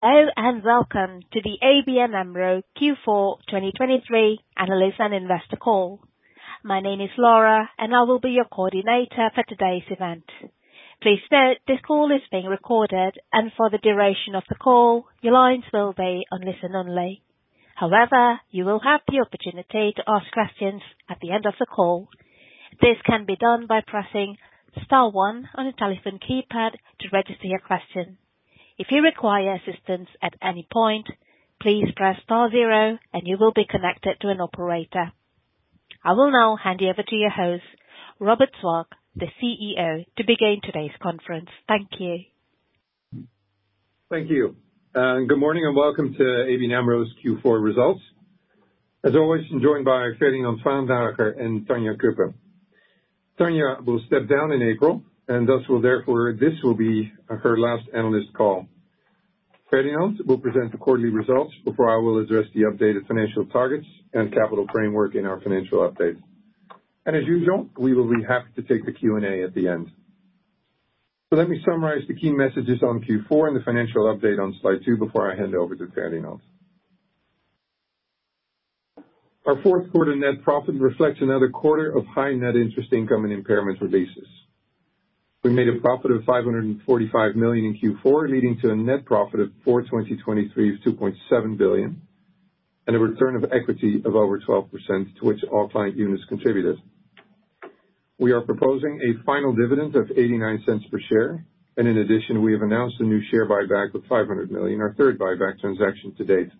Hello, and welcome to the ABN AMRO Q4 2023 analyst and investor call. My name is Laura, and I will be your coordinator for today's event. Please note, this call is being recorded, and for the duration of the call, your lines will be on listen only. However, you will have the opportunity to ask questions at the end of the call. This can be done by pressing star one on your telephone keypad to register your question. If you require assistance at any point, please press star zero and you will be connected to an operator. I will now hand you over to your host, Robert Swaak, the CEO, to begin today's conference. Thank you. Thank you, and good morning, and welcome to ABN AMRO's Q4 results. As always, I'm joined by Ferdinand Vaandrager and Tanja Cuppen. Tanja will step down in April, and thus will therefore, this will be her last analyst call. Ferdinand will present the quarterly results before I will address the updated financial targets and capital framework in our financial update. And as usual, we will be happy to take the Q&A at the end. So let me summarize the key messages on Q4 and the financial update on slide two before I hand over to Ferdinand. Our fourth quarter net profit reflects another quarter of high net interest income and impairment releases. We made a profit of 545 million in Q4, leading to a net profit for 2023 of 2.7 billion, and a return on equity of over 12%, to which all client units contributed. We are proposing a final dividend of 0.89 per share, and in addition, we have announced a new share buyback of 500 million, our third buyback transaction to date.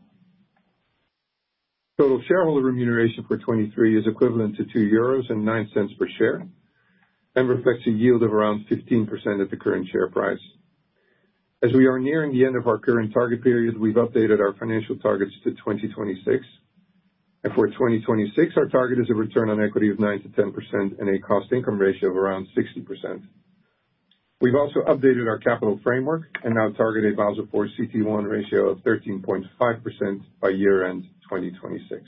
Total shareholder remuneration for 2023 is equivalent to 2.09 euros per share, and reflects a yield of around 15% at the current share price. As we are nearing the end of our current target period, we've updated our financial targets to 2026. For 2026, our target is a return on equity of 9%-10% and a cost income ratio of around 60%. We've also updated our capital framework and now target a Basel IV CET1 ratio of 13.5% by year-end 2026.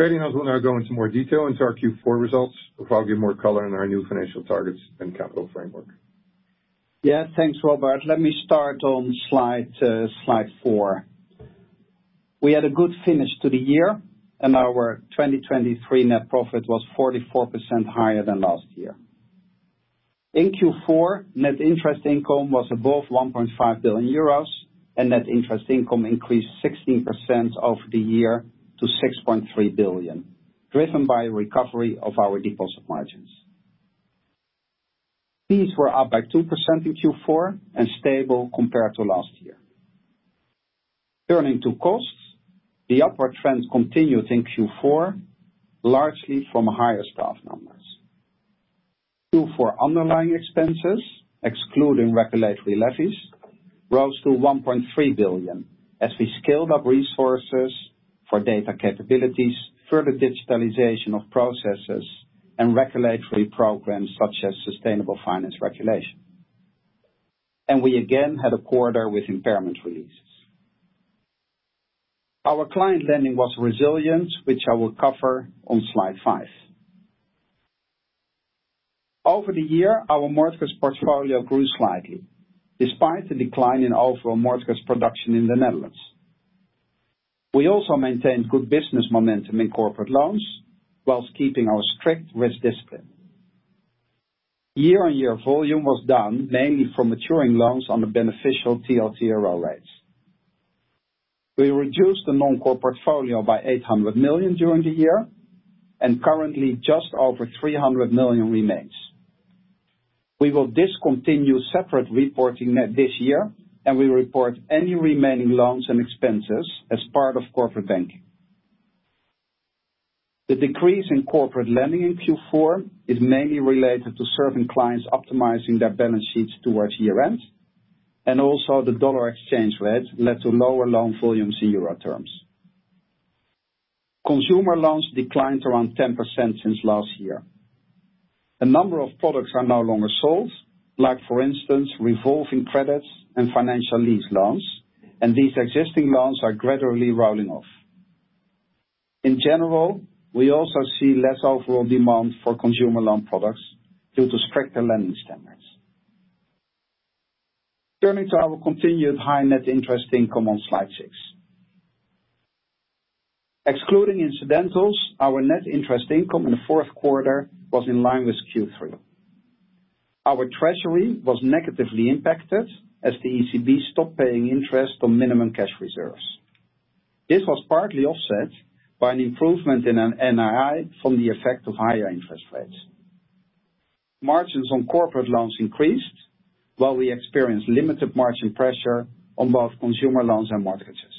Ferdinand will now go into more detail into our Q4 results, before I'll give more color on our new financial targets and capital framework. Yeah, thanks, Robert. Let me start on slide four. We had a good finish to the year, and our 2023 net profit was 44% higher than last year. In Q4, net interest income was above 1.5 billion euros, and net interest income increased 16% over the year to 6.3 billion, driven by recovery of our deposit margins. Fees were up by 2% in Q4 and stable compared to last year. Turning to costs, the upward trend continued in Q4, largely from higher staff numbers. Q4 underlying expenses, excluding regulatory levies, rose to 1.3 billion as we scaled up resources for data capabilities, further digitalization of processes, and regulatory programs such as sustainable finance regulation. And we again had a quarter with impairment releases. Our client lending was resilient, which I will cover on slide five. Over the year, our mortgage portfolio grew slightly, despite the decline in overall mortgage production in the Netherlands. We also maintained good business momentum in corporate loans, while keeping our strict risk discipline. Year-on-year volume was down, mainly from maturing loans on the beneficial TLTRO rates. We reduced the non-core portfolio by 800 million during the year, and currently just over 300 million remains. We will discontinue separate reporting net this year, and we will report any remaining loans and expenses as part of corporate banking. The decrease in corporate lending in Q4 is mainly related to serving clients optimizing their balance sheets towards year-end, and also the dollar exchange rate led to lower loan volumes in euro terms. Consumer loans declined around 10% since last year. A number of products are no longer sold, like, for instance, revolving credits and financial lease loans, and these existing loans are gradually rolling off. In general, we also see less overall demand for consumer loan products due to stricter lending standards. Turning to our continued high net interest income on slide six. Excluding incidentals, our net interest income in the fourth quarter was in line with Q3. Our treasury was negatively impacted as the ECB stopped paying interest on minimum cash reserves. This was partly offset by an improvement in NII from the effect of higher interest rates. Margins on corporate loans increased, while we experienced limited margin pressure on both consumer loans and mortgages.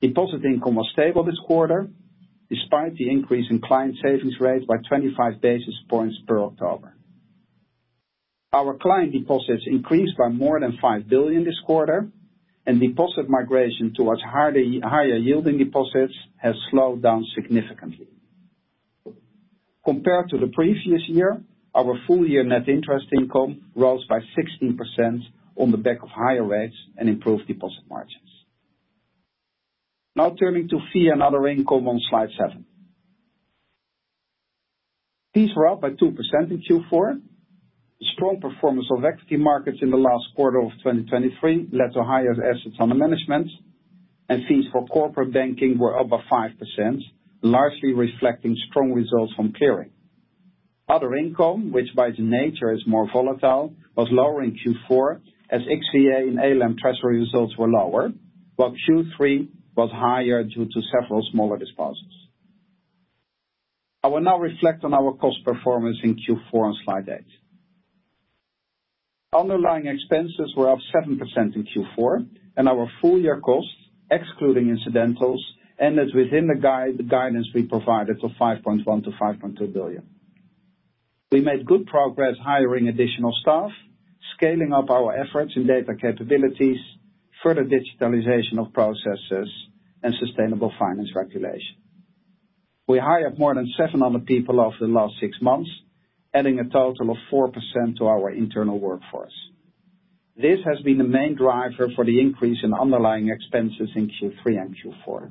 Deposit income was stable this quarter, despite the increase in client savings rate by 25 basis points in October. Our client deposits increased by more than 5 billion this quarter, and deposit migration towards higher-yielding deposits has slowed down significantly. Compared to the previous year, our full year net interest income rose by 16% on the back of higher rates and improved deposit margins. Now turning to fee and other income on slide seven... Fees were up by 2% in Q4. Strong performance of equity markets in the last quarter of 2023 led to higher assets under management, and fees for corporate banking were up by 5%, largely reflecting strong results from clearing. Other income, which by its nature is more volatile, was lower in Q4 as XVA and ALM treasury results were lower, while Q3 was higher due to several smaller disposals. I will now reflect on our cost performance in Q4 on slide eight. Underlying expenses were up 7% in Q4, and our full year costs, excluding incidentals, ended within the guide, the guidance we provided for 5.1 billion-5.2 billion. We made good progress hiring additional staff, scaling up our efforts in data capabilities, further digitalization of processes, and sustainable finance regulation. We hired more than 700 people over the last six months, adding a total of 4% to our internal workforce. This has been the main driver for the increase in underlying expenses in Q3 and Q4.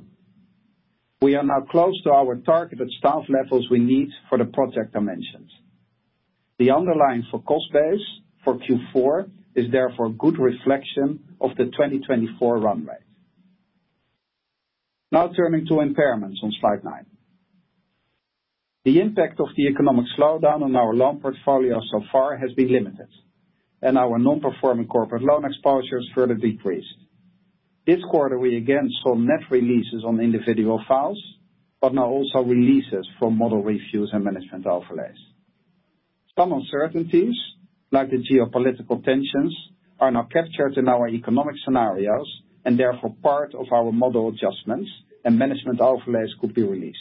We are now close to our targeted staff levels we need for the project I mentioned. The underlying for cost base for Q4 is therefore a good reflection of the 2024 run rate. Now turning to impairments on slide 9. The impact of the economic slowdown on our loan portfolio so far has been limited, and our non-performing corporate loan exposures further decreased. This quarter, we again saw net releases on individual files, but now also releases from model reviews and management overlays. Some uncertainties, like the geopolitical tensions, are now captured in our economic scenarios and therefore part of our model adjustments and management overlays could be released.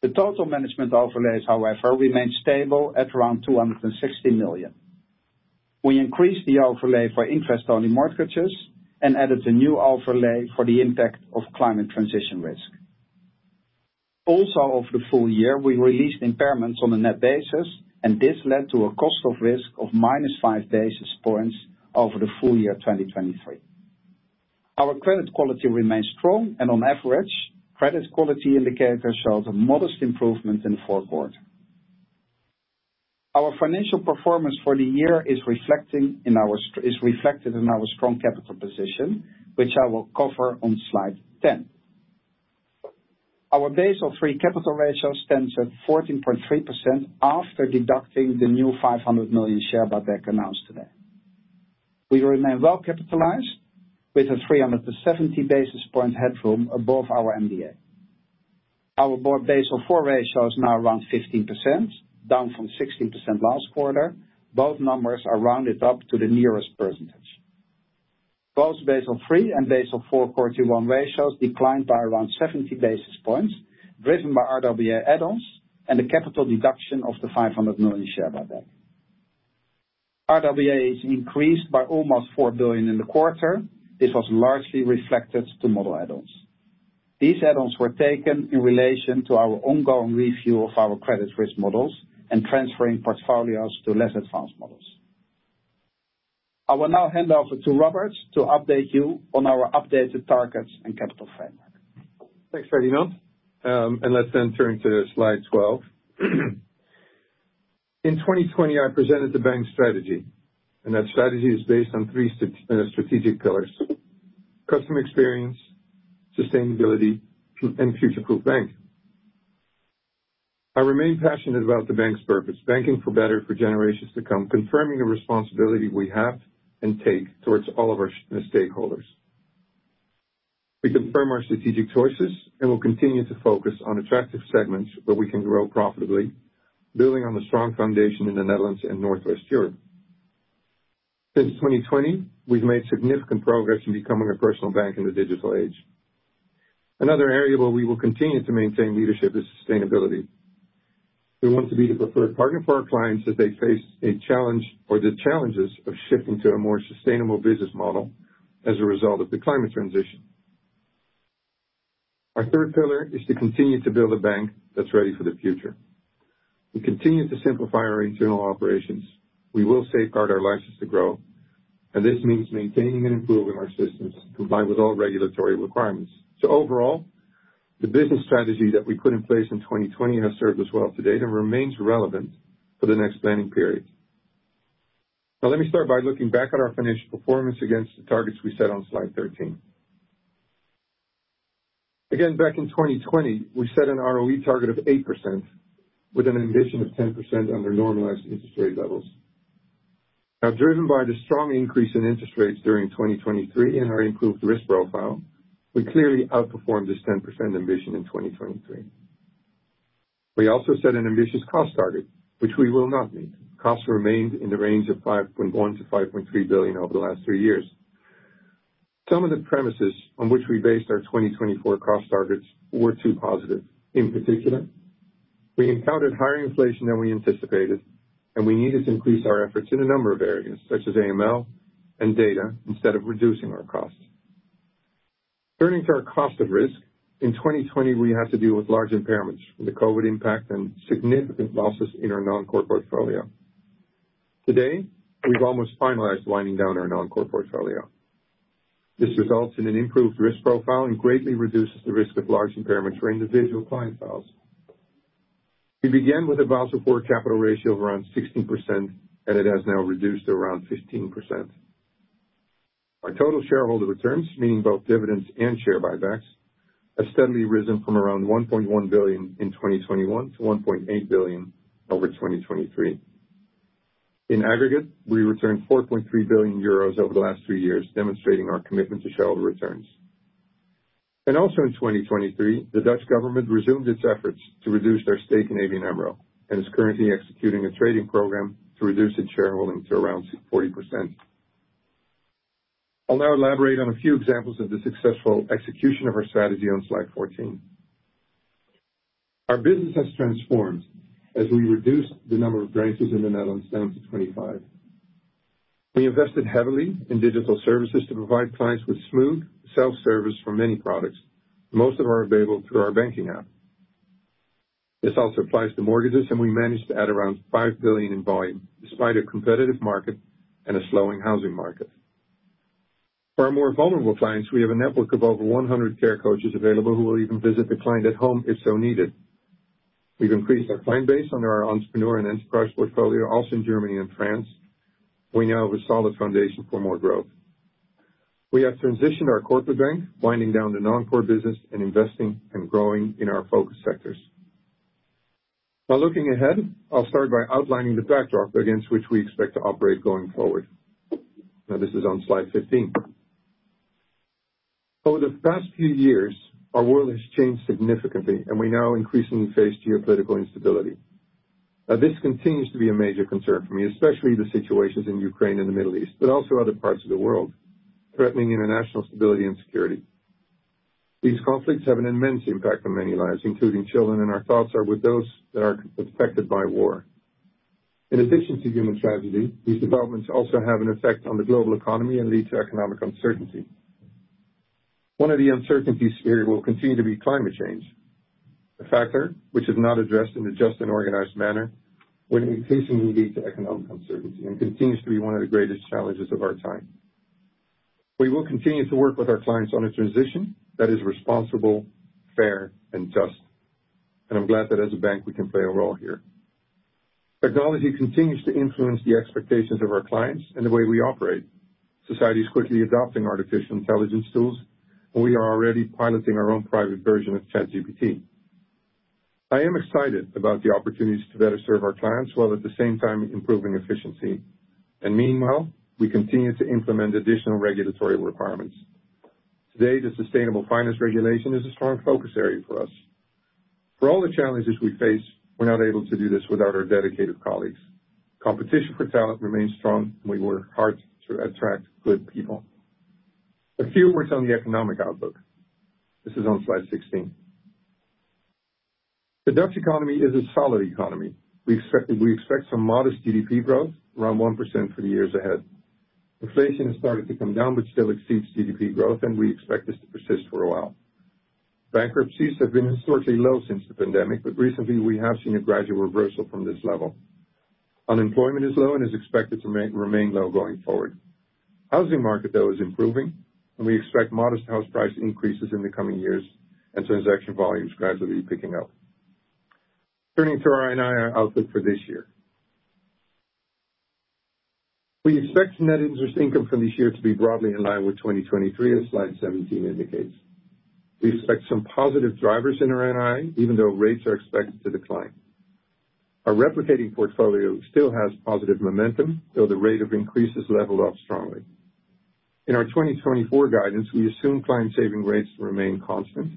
The total management overlays, however, remained stable at around 260 million. We increased the overlay for interest-only mortgages and added a new overlay for the impact of climate transition risk. Also, over the full year, we released impairments on a net basis, and this led to a cost of risk of -5 basis points over the full year 2023. Our credit quality remains strong, and on average, credit quality indicators showed a modest improvement in the fourth quarter. Our financial performance for the year is reflected in our strong capital position, which I will cover on slide 10. Our Basel III capital ratio stands at 14.3% after deducting the new 500 million share buyback announced today. We remain well capitalized with a 370 basis point headroom above our MDA. Our Basel IV ratio is now around 15%, down from 16% last quarter. Both numbers are rounded up to the nearest percentage. Both Basel III and Basel IV quarter one ratios declined by around 70 basis points, driven by RWA add-ons and the capital deduction of the 500 million share buyback. RWA is increased by almost 4 billion in the quarter. This was largely reflected to model add-ons. These add-ons were taken in relation to our ongoing review of our credit risk models and transferring portfolios to less advanced models. I will now hand over to Robert to update you on our updated targets and capital framework. Thanks, Ferdinand. Let's then turn to slide 12. In 2020, I presented the bank's strategy, and that strategy is based on three strategic pillars: customer experience, sustainability, and future-proof bank. I remain passionate about the bank's purpose, Banking for Better, for generations to come, confirming the responsibility we have and take towards all of our stakeholders. We confirm our strategic choices and will continue to focus on attractive segments where we can grow profitably, building on the strong foundation in the Netherlands and Northwest Europe. Since 2020, we've made significant progress in becoming a personal bank in the digital age. Another area where we will continue to maintain leadership is sustainability. We want to be the preferred partner for our clients as they face a challenge or the challenges of shifting to a more sustainable business model as a result of the climate transition. Our third pillar is to continue to build a bank that's ready for the future. We continue to simplify our internal operations. We will safeguard our license to grow, and this means maintaining and improving our systems, combined with all regulatory requirements. So overall, the business strategy that we put in place in 2020 has served us well to date and remains relevant for the next planning period. Now, let me start by looking back at our financial performance against the targets we set on slide 13. Again, back in 2020, we set an ROE target of 8%, with an ambition of 10% under normalized interest rate levels. Now, driven by the strong increase in interest rates during 2023 and our improved risk profile, we clearly outperformed this 10% ambition in 2023. We also set an ambitious cost target, which we will not meet. Costs remained in the range of 5.1-5.3 billion over the last three years. Some of the premises on which we based our 2024 cost targets were too positive. In particular, we encountered higher inflation than we anticipated, and we needed to increase our efforts in a number of areas, such as AML and data, instead of reducing our costs. Turning to our cost of risk, in 2020, we had to deal with large impairments from the COVID impact and significant losses in our non-core portfolio. Today, we've almost finalized winding down our non-core portfolio. This results in an improved risk profile and greatly reduces the risk of large impairments for individual client files. We began with a Basel IV capital ratio of around 16%, and it has now reduced to around 15%. Our total shareholder returns, meaning both dividends and share buybacks, have steadily risen from around 1.1 billion in 2021 to 1.8 billion over 2023. In aggregate, we returned 4.3 billion euros over the last three years, demonstrating our commitment to shareholder returns. Also in 2023, the Dutch government resumed its efforts to reduce their stake in ABN AMRO and is currently executing a trading program to reduce its shareholding to around 40%. I'll now elaborate on a few examples of the successful execution of our strategy on slide 14. Our business has transformed as we reduced the number of branches in the Netherlands down to 25. We invested heavily in digital services to provide clients with smooth self-service for many products. Most of them are available through our banking app. This also applies to mortgages, and we managed to add around 5 billion in volume, despite a competitive market and a slowing housing market. For our more vulnerable clients, we have a network of over 100 care coaches available who will even visit the client at home if so needed. We've increased our client base under our entrepreneur and enterprise portfolio, also in Germany and France. We now have a solid foundation for more growth. We have transitioned our corporate bank, winding down the non-core business and investing and growing in our focus sectors. Now, looking ahead, I'll start by outlining the backdrop against which we expect to operate going forward. Now, this is on slide 15. Over the past few years, our world has changed significantly, and we now increasingly face geopolitical instability. Now, this continues to be a major concern for me, especially the situations in Ukraine and the Middle East, but also other parts of the world, threatening international stability and security. These conflicts have an immense impact on many lives, including children, and our thoughts are with those that are affected by war. In addition to human tragedy, these developments also have an effect on the global economy and lead to economic uncertainty. One of the uncertainties here will continue to be climate change, a factor which, if not addressed in a just and organized manner, will increasingly lead to economic uncertainty and continues to be one of the greatest challenges of our time. We will continue to work with our clients on a transition that is responsible, fair and just, and I'm glad that as a bank, we can play a role here. Technology continues to influence the expectations of our clients and the way we operate. Society is quickly adopting artificial intelligence tools, and we are already piloting our own private version of ChatGPT. I am excited about the opportunities to better serve our clients while at the same time improving efficiency. Meanwhile, we continue to implement additional regulatory requirements. Today, the sustainable finance regulation is a strong focus area for us. For all the challenges we face, we're not able to do this without our dedicated colleagues. Competition for talent remains strong, and we work hard to attract good people. A few words on the economic outlook. This is on slide 16. The Dutch economy is a solid economy. We expect some modest GDP growth, around 1% for the years ahead. Inflation has started to come down, but still exceeds GDP growth, and we expect this to persist for a while. Bankruptcies have been historically low since the pandemic, but recently we have seen a gradual reversal from this level. Unemployment is low and is expected to remain low going forward. Housing market, though, is improving, and we expect modest house price increases in the coming years and transaction volumes gradually picking up. Turning to our NII outlook for this year. We expect net interest income for this year to be broadly in line with 2023, as slide 17 indicates. We expect some positive drivers in our NII, even though rates are expected to decline. Our replicating portfolio still has positive momentum, though the rate of increase has leveled off strongly. In our 2024 guidance, we assume client saving rates remain constant.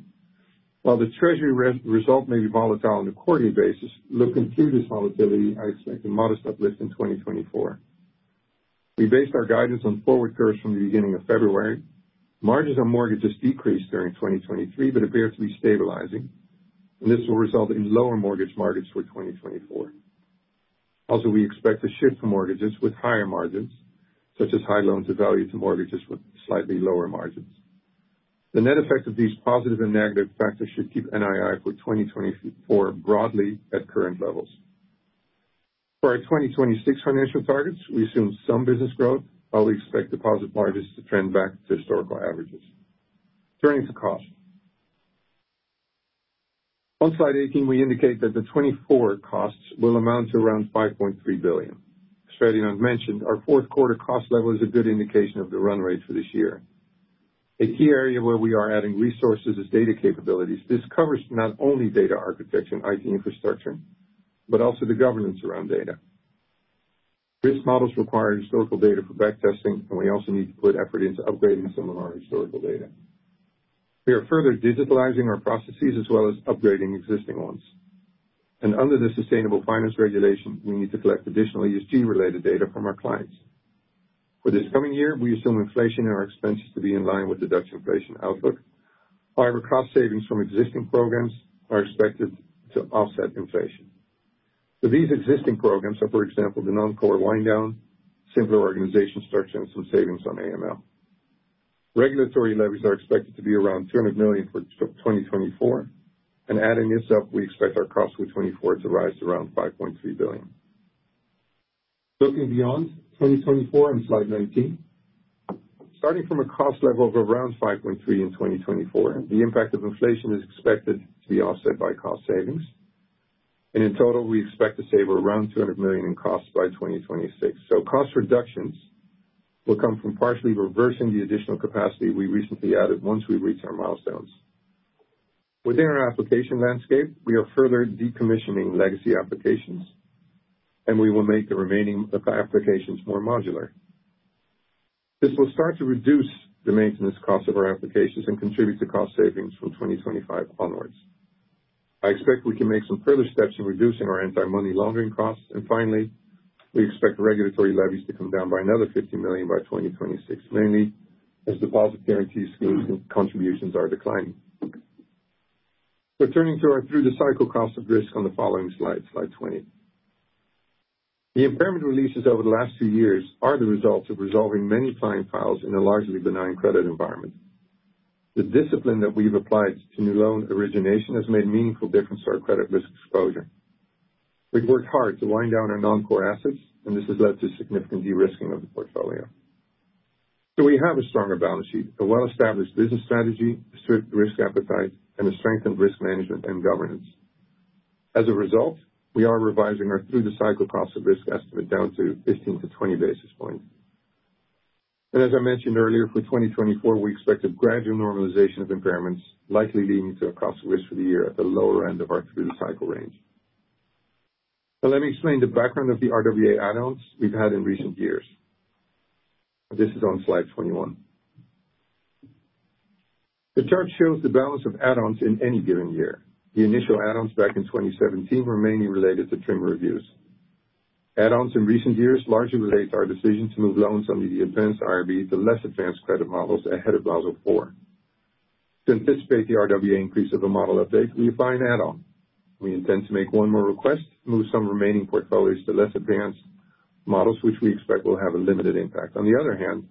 While the treasury result may be volatile on a quarterly basis, looking through this volatility, I expect a modest uplift in 2024. We based our guidance on forward curves from the beginning of February. Margins on mortgages decreased during 2023, but appear to be stabilizing, and this will result in lower mortgage margins for 2024. Also, we expect a shift to mortgages with higher margins, such as high loan-to-value to mortgages with slightly lower margins. The net effect of these positive and negative factors should keep NII for 2024 broadly at current levels. For our 2026 financial targets, we assume some business growth, while we expect deposit margins to trend back to historical averages. Turning to cost. On slide 18, we indicate that the 2024 costs will amount to around 5.3 billion. As Ferdinand mentioned, our fourth quarter cost level is a good indication of the run rate for this year. A key area where we are adding resources is data capabilities. This covers not only data architecture, IT infrastructure, but also the governance around data. Risk models require historical data for back testing, and we also need to put effort into upgrading some of our historical data. We are further digitizing our processes as well as upgrading existing ones. Under the sustainable finance regulation, we need to collect additional ESG-related data from our clients. For this coming year, we assume inflation and our expenses to be in line with the Dutch inflation outlook. However, cost savings from existing programs are expected to offset inflation. So these existing programs are, for example, the non-core wind down, simpler organization structure, and some savings on AML. Regulatory levies are expected to be around 200 million for 2024, and adding this up, we expect our costs for 2024 to rise to around 5.3 billion. Looking beyond 2024 on slide 19, starting from a cost level of around 5.3 in 2024, the impact of inflation is expected to be offset by cost savings, and in total, we expect to save around 200 million in costs by 2026. So cost reductions will come from partially reversing the additional capacity we recently added once we've reached our milestones. Within our application landscape, we are further decommissioning legacy applications, and we will make the remaining applications more modular. This will start to reduce the maintenance costs of our applications and contribute to cost savings from 2025 onwards. I expect we can make some further steps in reducing our anti-money laundering costs, and finally, we expect regulatory levies to come down by another 50 million by 2026, mainly as deposit guarantees contributions are declining. So turning to our through-the-cycle cost of risk on the following slide, slide 20. The impairment releases over the last few years are the result of resolving many client files in a largely benign credit environment. The discipline that we've applied to new loan origination has made a meaningful difference to our credit risk exposure. We've worked hard to wind down our non-core assets, and this has led to significant de-risking of the portfolio. So we have a stronger balance sheet, a well-established business strategy, strict risk appetite, and a strengthened risk management and governance. As a result, we are revising our through-the-cycle cost of risk estimate down to 15-20 basis points. And as I mentioned earlier, for 2024, we expect a gradual normalization of impairments, likely leading to a cost of risk for the year at the lower end of our through-the-cycle range. So let me explain the background of the RWA add-ons we've had in recent years. This is on slide 21. The chart shows the balance of add-ons in any given year. The initial add-ons back in 2017 were mainly related to TRIM reviews. Add-ons in recent years largely relate to our decision to move loans under the advanced IRB to less advanced credit models ahead of Basel IV. To anticipate the RWA increase of a model update, we apply an add-on. We intend to make one more request to move some remaining portfolios to less advanced models, which we expect will have a limited impact. On the other hand,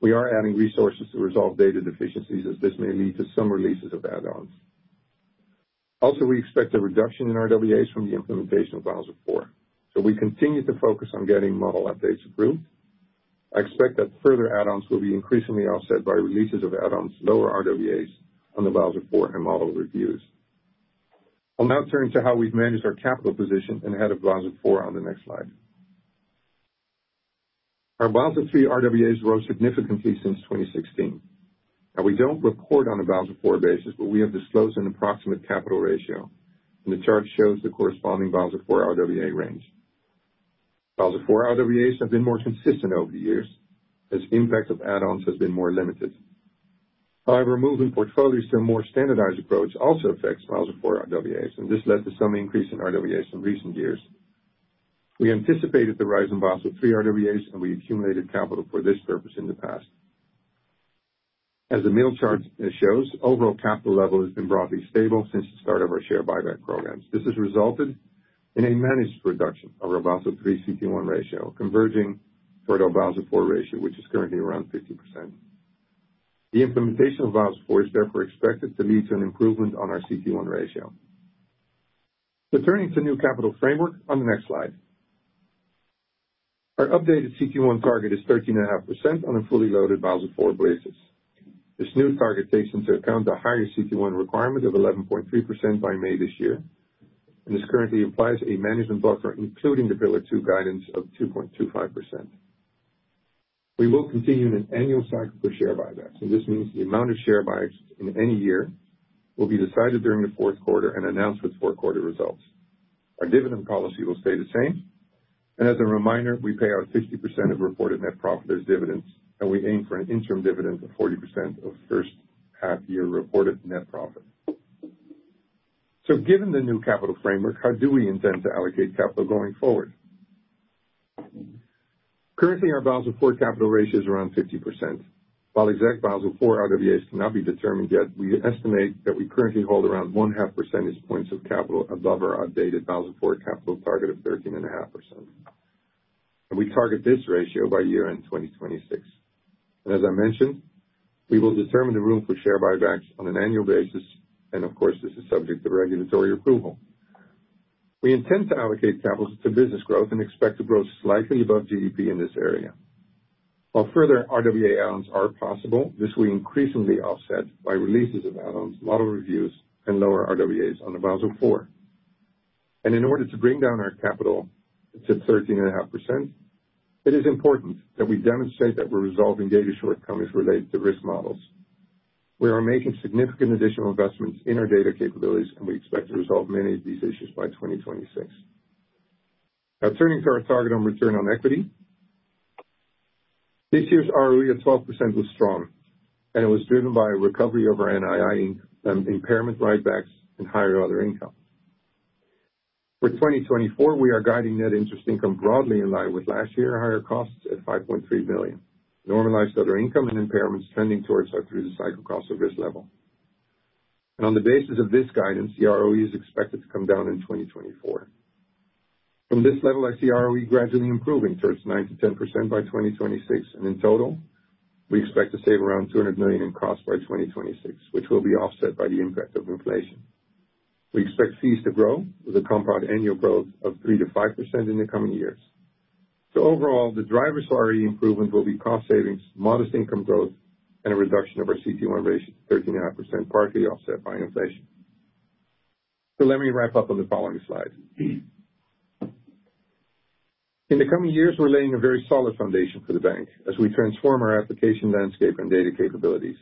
we are adding resources to resolve data deficiencies, as this may lead to some releases of add-ons. Also, we expect a reduction in RWAs from the implementation of Basel IV. So we continue to focus on getting model updates approved. I expect that further add-ons will be increasingly offset by releases of add-ons, lower RWAs on the Basel IV, and model reviews. I'll now turn to how we've managed our capital position ahead of Basel IV on the next slide. Our Basel III RWAs rose significantly since 2016, and we don't report on a Basel IV basis, but we have disclosed an approximate capital ratio, and the chart shows the corresponding Basel IV RWA range. Basel IV RWAs have been more consistent over the years, as the impact of add-ons has been more limited. However, moving portfolios to a more standardized approach also affects Basel IV RWAs, and this led to some increase in RWAs in recent years. We anticipated the rise in Basel III RWAs, and we accumulated capital for this purpose in the past. As the middle chart shows, overall capital level has been broadly stable since the start of our share buyback programs. This has resulted in a managed reduction of our Basel III CET1 ratio, converging toward our Basel IV ratio, which is currently around 50%. The implementation of Basel IV is therefore expected to lead to an improvement on our CET1 ratio. So turning to new capital framework on the next slide. Our updated CET1 target is 13.5% on a fully loaded Basel IV basis. This new target takes into account the higher CET1 requirement of 11.3% by May this year, and this currently applies a management buffer, including the Pillar 2 guidance of 2.25%. We will continue in an annual cycle for share buybacks, so this means the amount of share buybacks in any year will be decided during the fourth quarter and announced with fourth quarter results. Our dividend policy will stay the same, and as a reminder, we pay out 60% of reported net profit as dividends, and we aim for an interim dividend of 40% of first half-year reported net profit. So given the new capital framework, how do we intend to allocate capital going forward? Currently, our Basel IV capital ratio is around 50%. While exact Basel IV RWAs cannot be determined yet, we estimate that we currently hold around 0.5 percentage points of capital above our updated Basel IV capital target of 13.5%, and we target this ratio by year-end 2026. And as I mentioned, we will determine the room for share buybacks on an annual basis, and of course, this is subject to regulatory approval. We intend to allocate capital to business growth and expect to grow slightly above GDP in this area. While further RWA add-ons are possible, this will be increasingly offset by releases of add-ons, model reviews, and lower RWAs on the Basel IV. In order to bring down our capital to 13.5%, it is important that we demonstrate that we're resolving data shortcomings related to risk models. We are making significant additional investments in our data capabilities, and we expect to resolve many of these issues by 2026. Now, turning to our target on return on equity. This year's ROE at 12% was strong, and it was driven by a recovery of our NII and impairment write-backs and higher other income. For 2024, we are guiding net interest income broadly in line with last year, higher costs at 5.3 billion, normalized other income and impairments trending towards our through-the-cycle cost of risk level. On the basis of this guidance, ROE is expected to come down in 2024. From this level, I see ROE gradually improving towards 9%-10% by 2026, and in total, we expect to save around 200 million in costs by 2026, which will be offset by the impact of inflation. We expect fees to grow with a compound annual growth of 3%-5% in the coming years. So overall, the drivers for ROE improvement will be cost savings, modest income growth, and a reduction of our CET1 ratio, 13.5%, partly offset by inflation. So let me wrap up on the following slide. In the coming years, we're laying a very solid foundation for the bank as we transform our application landscape and data capabilities.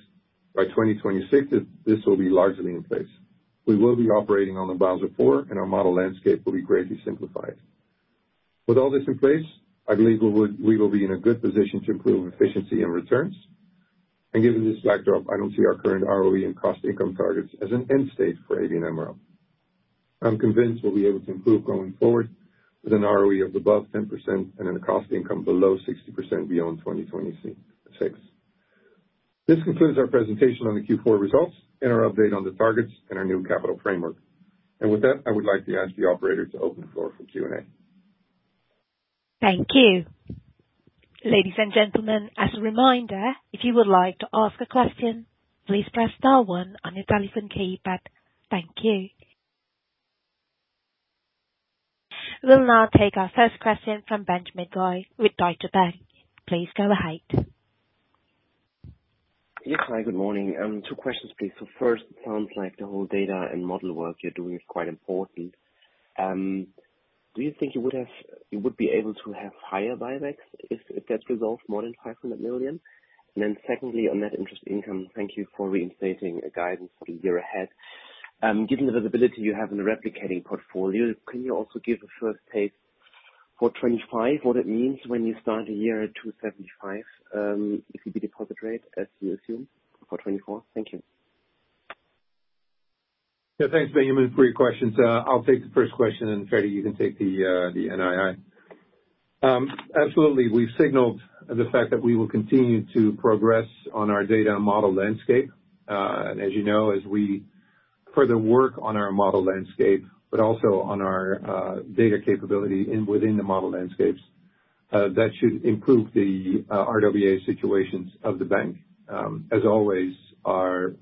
By 2026, this will be largely in place. We will be operating on the Basel IV, and our model landscape will be greatly simplified. With all this in place, I believe we will be in a good position to improve efficiency and returns. Given this backdrop, I don't see our current ROE and cost income targets as an end state for ABN AMRO. I'm convinced we'll be able to improve going forward with an ROE of above 10% and a cost income below 60% beyond 2026. This concludes our presentation on the Q4 results and our update on the targets and our new capital framework. With that, I would like to ask the operator to open the floor for Q&A. Thank you. Ladies and gentlemen, as a reminder, if you would like to ask a question, please press star one on your telephone keypad. Thank you. We'll now take our first question from Benjamin Goy with Deutsche Bank. Please go ahead. Yes, hi, good morning. Two questions, please. So first, it sounds like the whole data and model work you're doing is quite important. Do you think you would be able to have higher buybacks if that results more than 500 million? And then secondly, on net interest income, thank you for reinstating a guidance for the year ahead. Given the visibility you have in the replicating portfolio, can you also give a first take for 2025, what it means when you start a year at 275, if you beat deposit rate, as you assume, for 2024? Thank you. Yeah, thanks, Benjamin, for your questions. I'll take the first question, and Ferry, you can take the NII. Absolutely. We've signaled the fact that we will continue to progress on our data and model landscape. And as you know, as we further work on our model landscape, but also on our data capability within the model landscapes, that should improve the RWA situations of the bank. As always, our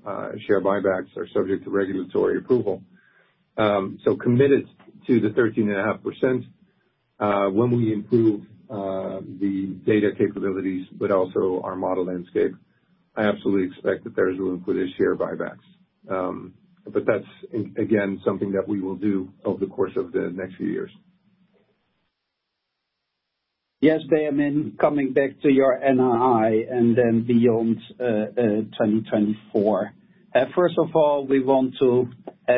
share buybacks are subject to regulatory approval. So committed to the 13.5%, when we improve the data capabilities, but also our model landscape, I absolutely expect that there is room for this share buybacks. But that's again, something that we will do over the course of the next few years. Yes, Benjamin, coming back to your NII and then beyond 2024. First of all, we want to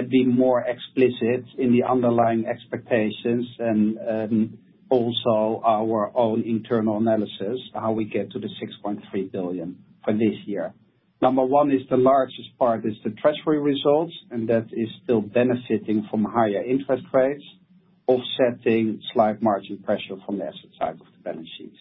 be more explicit in the underlying expectations and also our own internal analysis, how we get to the 6.3 billion for this year. Number one is the largest part is the treasury results, and that is still benefiting from higher interest rates, offsetting slight margin pressure from the asset side of the balance sheet.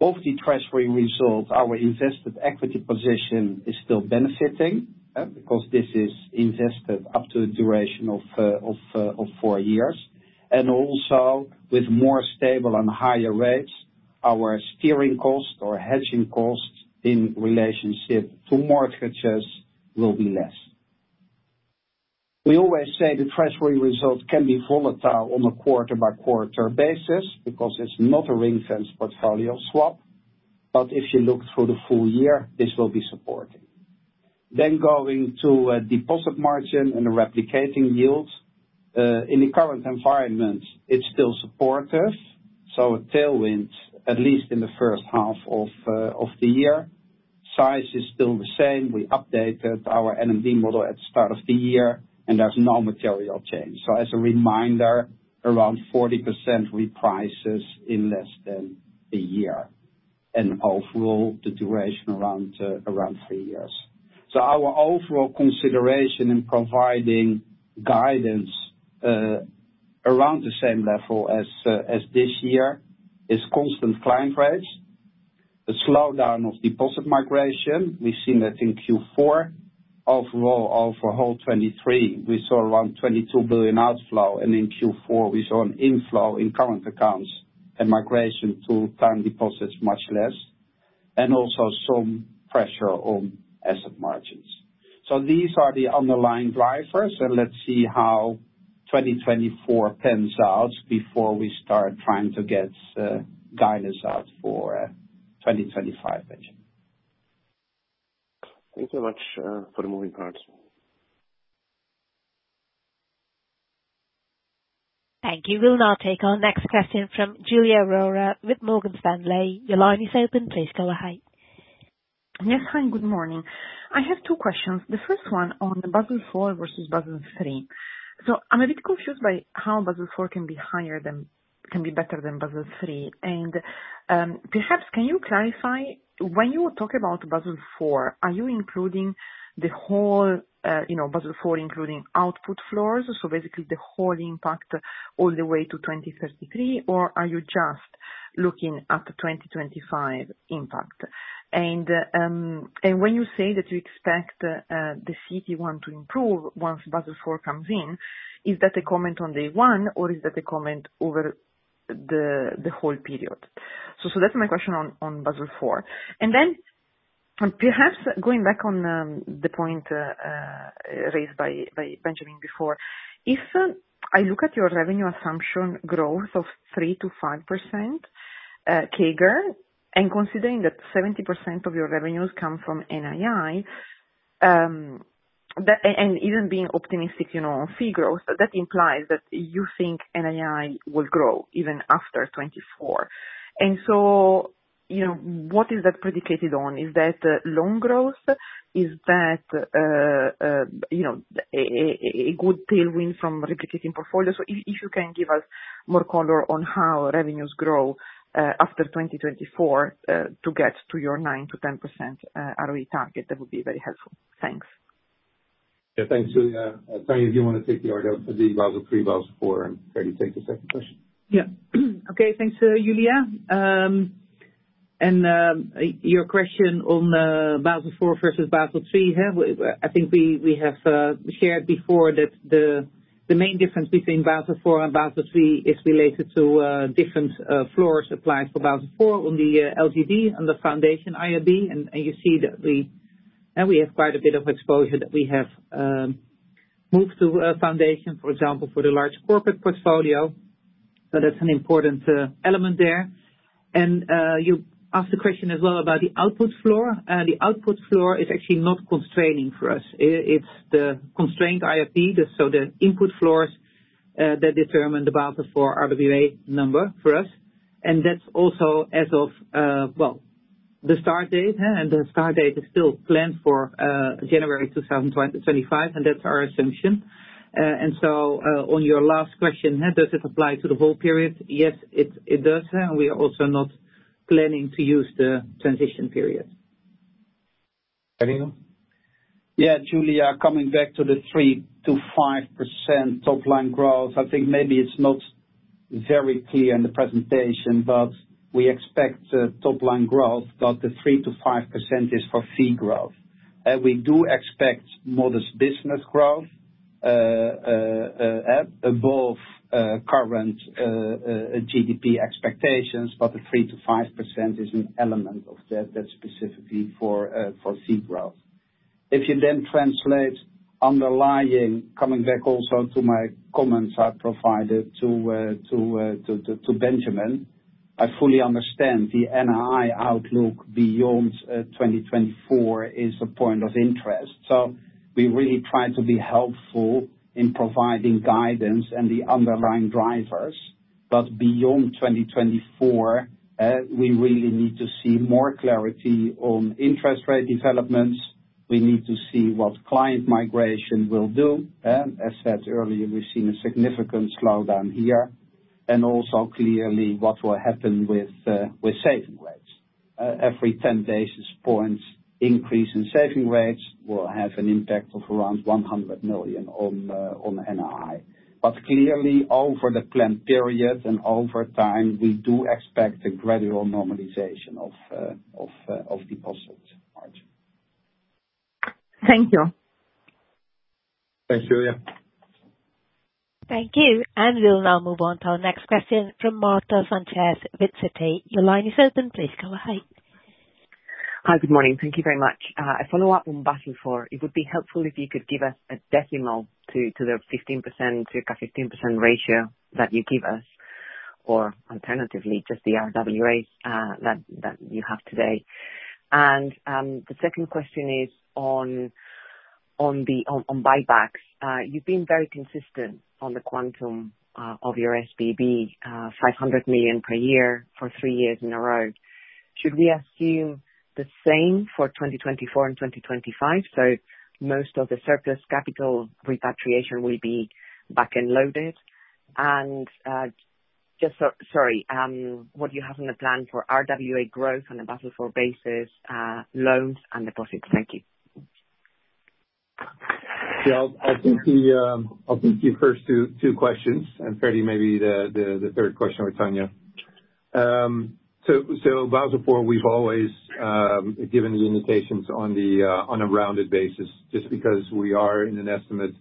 Of the treasury results, our invested equity position is still benefiting because this is invested up to a duration of four years, and also with more stable and higher rates, our steering costs or hedging costs in relationship to mortgages will be less. We always say the treasury results can be volatile on a quarter-by-quarter basis because it's not a ring-fenced portfolio swap. But if you look for the full year, this will be supporting. Then going to a deposit margin and replicating yields. In the current environment, it's still supportive, so a tailwind, at least in the first half of the year. Size is still the same. We updated our NMD model at start of the year, and there's no material change. So as a reminder, around 40% reprices in less than a year, and overall, the duration around three years. So our overall consideration in providing guidance around the same level as this year is constant client rates, the slowdown of deposit migration, we've seen that in Q4. Overall, over whole 2023, we saw around 22 billion outflow, and in Q4, we saw an inflow in current accounts and migration to time deposits much less, and also some pressure on asset margins. These are the underlying drivers, and let's see how 2024 pans out before we start trying to get guidance out for 2025. Thank you so much for the moving parts. Thank you. We'll now take our next question from Giulia Miotto with Morgan Stanley. Your line is open. Please go ahead. Yes, hi, good morning. I have two questions. The first one on the Basel IV versus Basel III. So I'm a bit confused by how Basel IV can be higher than--can be better than Basel III, and, perhaps can you clarify, when you talk about Basel IV, are you including the whole, you know, Basel IV, including output floors, so basically the whole impact all the way to 2033, or are you just looking at the 2025 impact. And, and when you say that you expect, the CET1 to improve once Basel IV comes in, is that a comment on day one, or is that a comment over the, the whole period? So, so that's my question on, on Basel IV. Then, perhaps going back on the point raised by Benjamin before, if I look at your revenue assumption growth of 3%-5% CAGR, and considering that 70% of your revenues come from NII, and even being optimistic, you know, fee growth, that implies that you think NII will grow even after 2024. And so, you know, what is that predicated on? Is that loan growth? Is that, you know, a good tailwind from replicating portfolios? So if you can give us more color on how revenues grow after 2024 to get to your 9%-10% ROE target, that would be very helpful. Thanks. Yeah. Thanks, Giulia. Tanja, if you want to take the Basel III, Basel IV, and Ferdinand take the second question. Yeah. Okay. Thanks, Giulia. And your question on Basel IV versus Basel III, yeah, I think we have shared before that the main difference between Basel IV and Basel III is related to different floors applied for Basel IV on the LGD and the Foundation IRB, and you see that we... And we have quite a bit of exposure that we have moved to a foundation, for example, for the large corporate portfolio. So that's an important element there. And you asked a question as well about the output floor. The output floor is actually not constraining for us. It's the constrained IRB, the, so the input floors that determine the Basel IV RWA number for us, and that's also as of, well, the start date, and the start date is still planned for January 2025, and that's our assumption. And so, on your last question, does it apply to the whole period? Yes, it, it does, and we are also not planning to use the transition period. Ferdinand? Yeah, Giulia, coming back to the 3%-5% top line growth, I think maybe it's not very clear in the presentation, but we expect top line growth, but the 3%-5% is for fee growth. We do expect modest business growth at above current GDP expectations, but the 3%-5% is an element of that, that's specifically for fee growth. If you then translate underlying, coming back also to my comments I provided to Benjamin, I fully understand the NII outlook beyond 2024 is a point of interest. So we really try to be helpful in providing guidance and the underlying drivers. But beyond 2024, we really need to see more clarity on interest rate developments. We need to see what client migration will do. As said earlier, we've seen a significant slowdown here, and also clearly what will happen with saving rates. Every 10 basis points increase in saving rates will have an impact of around 100 million on NII. But clearly, over the planned period and over time, we do expect a gradual normalization of deposit margin. Thank you. Thanks, Giulia. Thank you. We'll now move on to our next question from Marta Sánchez Romero, Citi. The line is open. Please go ahead. Hi, good morning. Thank you very much. A follow-up on Basel IV. It would be helpful if you could give us a decimal to the 15%-15% ratio that you give us, or alternatively, just the RWA that you have today. The second question is on buybacks. You've been very consistent on the quantum of your SBB 500 million per year for three years in a row. Should we assume the same for 2024 and 2025, so most of the surplus capital repatriation will be back-end loaded? What do you have on the plan for RWA growth on a Basel IV basis, loans and deposits? Thank you. Yeah, I'll take the first two questions, and Ferdi maybe the third question with Tanja. So, Basel four, we've always given the indications on a rounded basis, just because we are in an estimate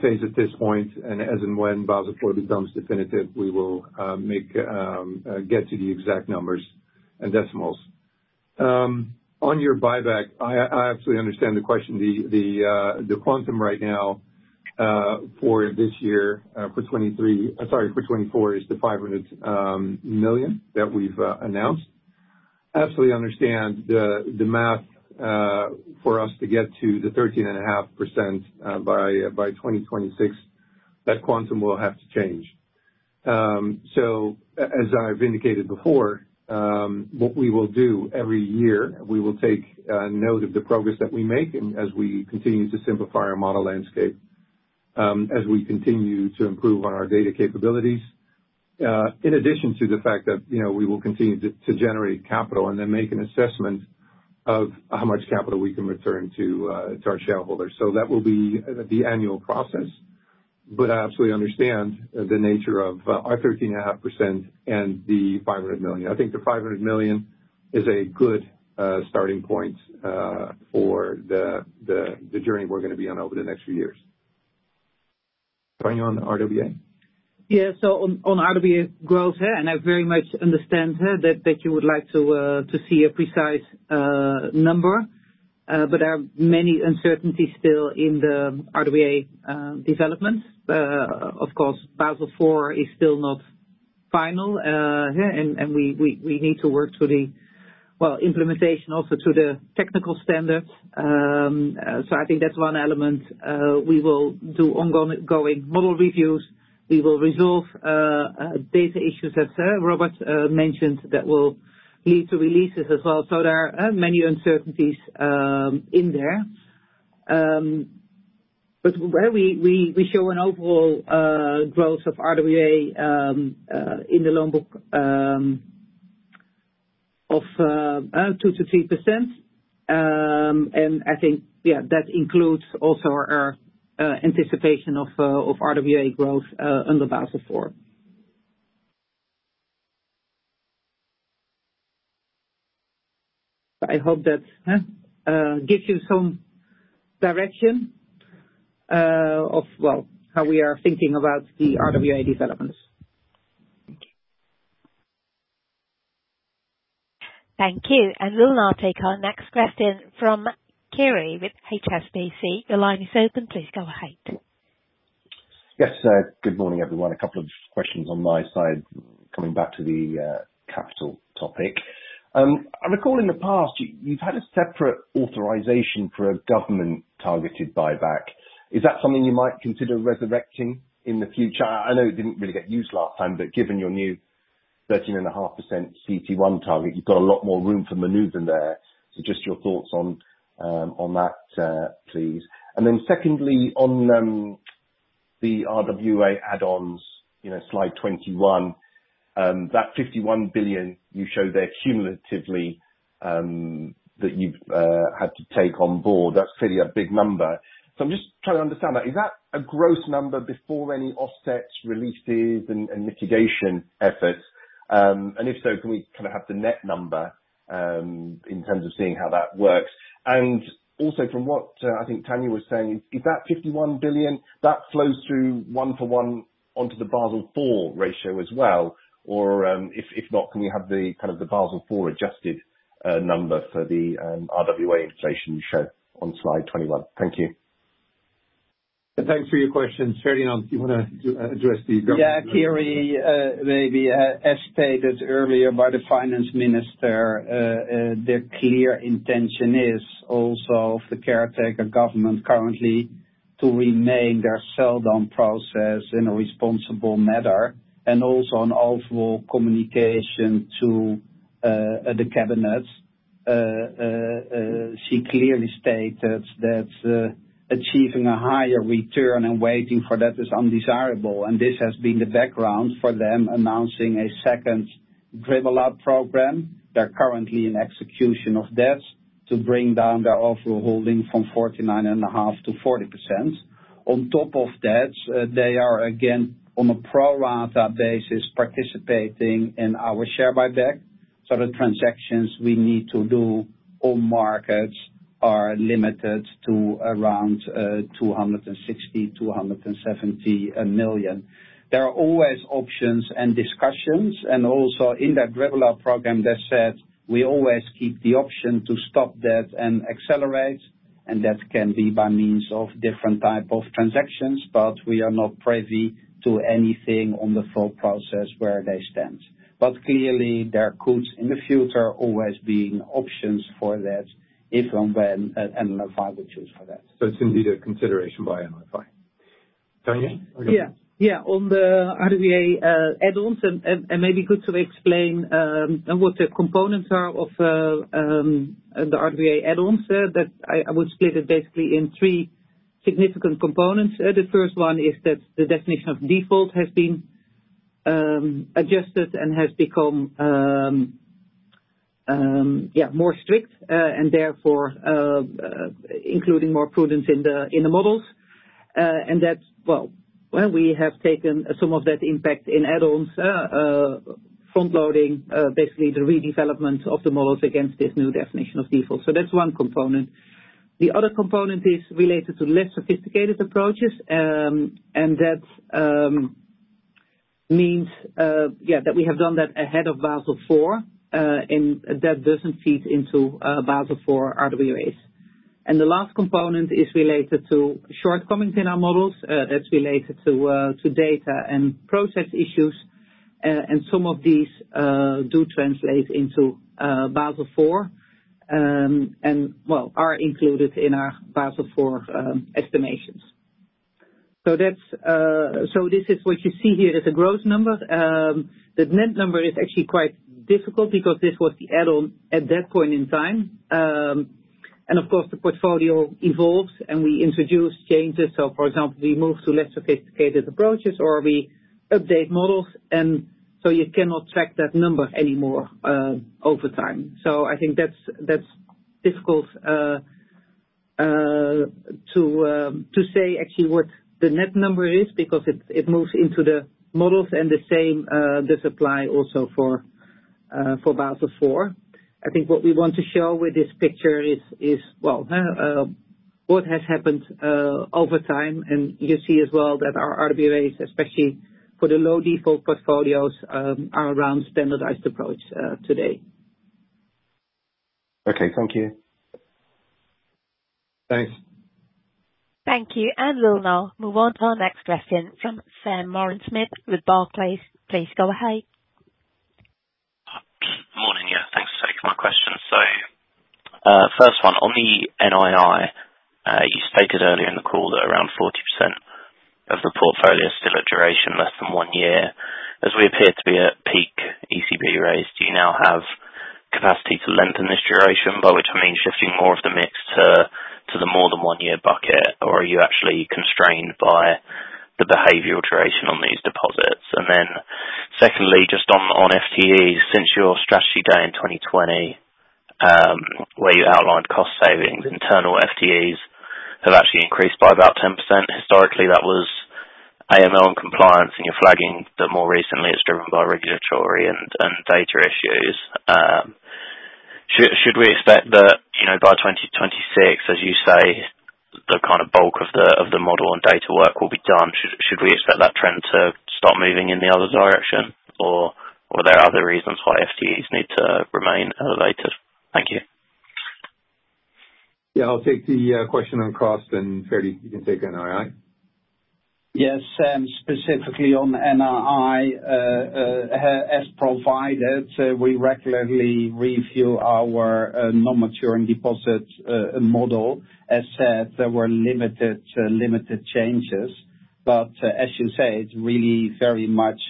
phase at this point. And as and when Basel four becomes definitive, we will get to the exact numbers and decimals. On your buyback, I absolutely understand the question. The quantum right now for this year, for 2023, sorry, for 2024, is the 500 million that we've announced. Absolutely understand the math for us to get to the 13.5% by 2026, that quantum will have to change. So, as I've indicated before, what we will do every year, we will take note of the progress that we make, and as we continue to simplify our model landscape, as we continue to improve on our data capabilities, in addition to the fact that, you know, we will continue to generate capital and then make an assessment of how much capital we can return to our shareholders. So that will be the annual process... but I absolutely understand the nature of our 13.5% and the 500 million. I think the 500 million is a good starting point for the journey we're going to be on over the next few years. Going on the RWA? Yeah. So on RWA growth, yeah, and I very much understand, yeah, that you would like to see a precise number, but there are many uncertainties still in the RWA development. Of course, Basel IV is still not final, yeah, and we need to work through the... well, implementation, also to the technical standards. So I think that's one element, we will do ongoing model reviews. We will resolve data issues, as Robert mentioned, that will lead to releases as well. So there are many uncertainties in there. But where we show an overall growth of RWA in the loan book of 2%-3%. I think, yeah, that includes also our anticipation of RWA growth under Basel IV. I hope that gives you some direction of, well, how we are thinking about the RWA developments. Thank you. We'll now take our next question from Kiri with HSBC. Your line is open. Please go ahead. Yes, good morning, everyone. A couple of questions on my side. Coming back to the capital topic. I recall in the past, you've had a separate authorization for a government-targeted buyback. Is that something you might consider resurrecting in the future? I know it didn't really get used last time, but given your new 13.5% CET1 target, you've got a lot more room for maneuver there. So just your thoughts on that, please. And then secondly, on the RWA add-ons, you know, slide 21. That 51 billion you show there cumulatively, that you've had to take on board, that's fairly a big number. So I'm just trying to understand that. Is that a gross number before any offsets, releases, and mitigation efforts? And if so, can we kind of have the net number, in terms of seeing how that works? And also, from what I think Tanja was saying, is that 51 billion, that flows through one-to-one onto the Basel IV ratio as well, or, if, if not, can we have the, kind of, the Basel IV adjusted, number for the, RWA inflation you show on slide 21? Thank you. Thanks for your question. Ferdinand, do you want to address the government? Yeah, Kiri, maybe as stated earlier by the finance minister, their clear intention is also of the caretaker government currently to remain their sell-down process in a responsible manner and also an overall communication to the cabinets. She clearly stated that achieving a higher return and waiting for that is undesirable, and this has been the background for them announcing a second sell-off program. They're currently in execution of that to bring down their overall holding from 49.5%-40%. On top of that, they are again on a pro rata basis participating in our share buyback. So the transactions we need to do on markets are limited to around 260 million-270 million. There are always options and discussions, and also in that regular program, that said, we always keep the option to stop that and accelerate, and that can be by means of different type of transactions, but we are not privy to anything on the full process where they stand. But clearly, there could, in the future, always being options for that if and when NLFI would choose for that. It's indeed a consideration by NLFI. Tanja? Yeah. Yeah, on the RWA add-ons, and maybe good to explain what the components are of the RWA add-ons, that I would split it basically in three significant components. The first one is that the definition of default has been adjusted and has become, yeah, more strict, and therefore, including more prudence in the models. And that's... Well, we have taken some of that impact in add-ons, front loading basically the redevelopment of the models against this new definition of default. So that's one component. The other component is related to less sophisticated approaches, and that means, yeah, that we have done that ahead of Basel four, and that doesn't feed into Basel four RWAs. And the last component is related to shortcomings in our models. That's related to data and process issues. And some of these do translate into Basel IV, and well, are included in our Basel IV estimations. So that's, so this is what you see here as a gross number. The net number is actually quite difficult because this was the add-on at that point in time. And of course, the portfolio evolves, and we introduce changes. So, for example, we move to less sophisticated approaches, or we update models, and so you cannot track that number anymore over time. So I think that's, that's-... difficult to say actually what the net number is, because it moves into the models and the same does apply also for Basel IV. I think what we want to show with this picture is well what has happened over time, and you see as well that our RWAs, especially for the low default portfolios, are around standardized approach today. Okay, thank you. Thanks. Thank you. We'll now move on to our next question from Samer Sherif, with Barclays. Please go ahead. Morning. Yeah, thanks. So my question. So, first one, on the NII, you stated earlier in the call that around 40% of the portfolio is still at duration, less than one year. As we appear to be at peak ECB raise, do you now have capacity to lengthen this duration, by which I mean shifting more of the mix to, to the more than one year bucket, or are you actually constrained by the behavioral duration on these deposits? And then secondly, just on, on FTEs, since your strategy day in 2020, where you outlined cost savings, internal FTEs have actually increased by about 10%. Historically, that was AML and compliance, and you're flagging that more recently it's driven by regulatory and, and data issues. Should we expect that, you know, by 2026, as you say, the kind of bulk of the model and data work will be done? Should we expect that trend to start moving in the other direction, or were there other reasons why FTEs need to remain elevated? Thank you. Yeah, I'll take the question on cost, and Ferdi, you can take NII. Yes, Sam. Specifically on NII, as provided, we regularly review our non-maturing deposit model. As said, there were limited changes, but as you say, it's really very much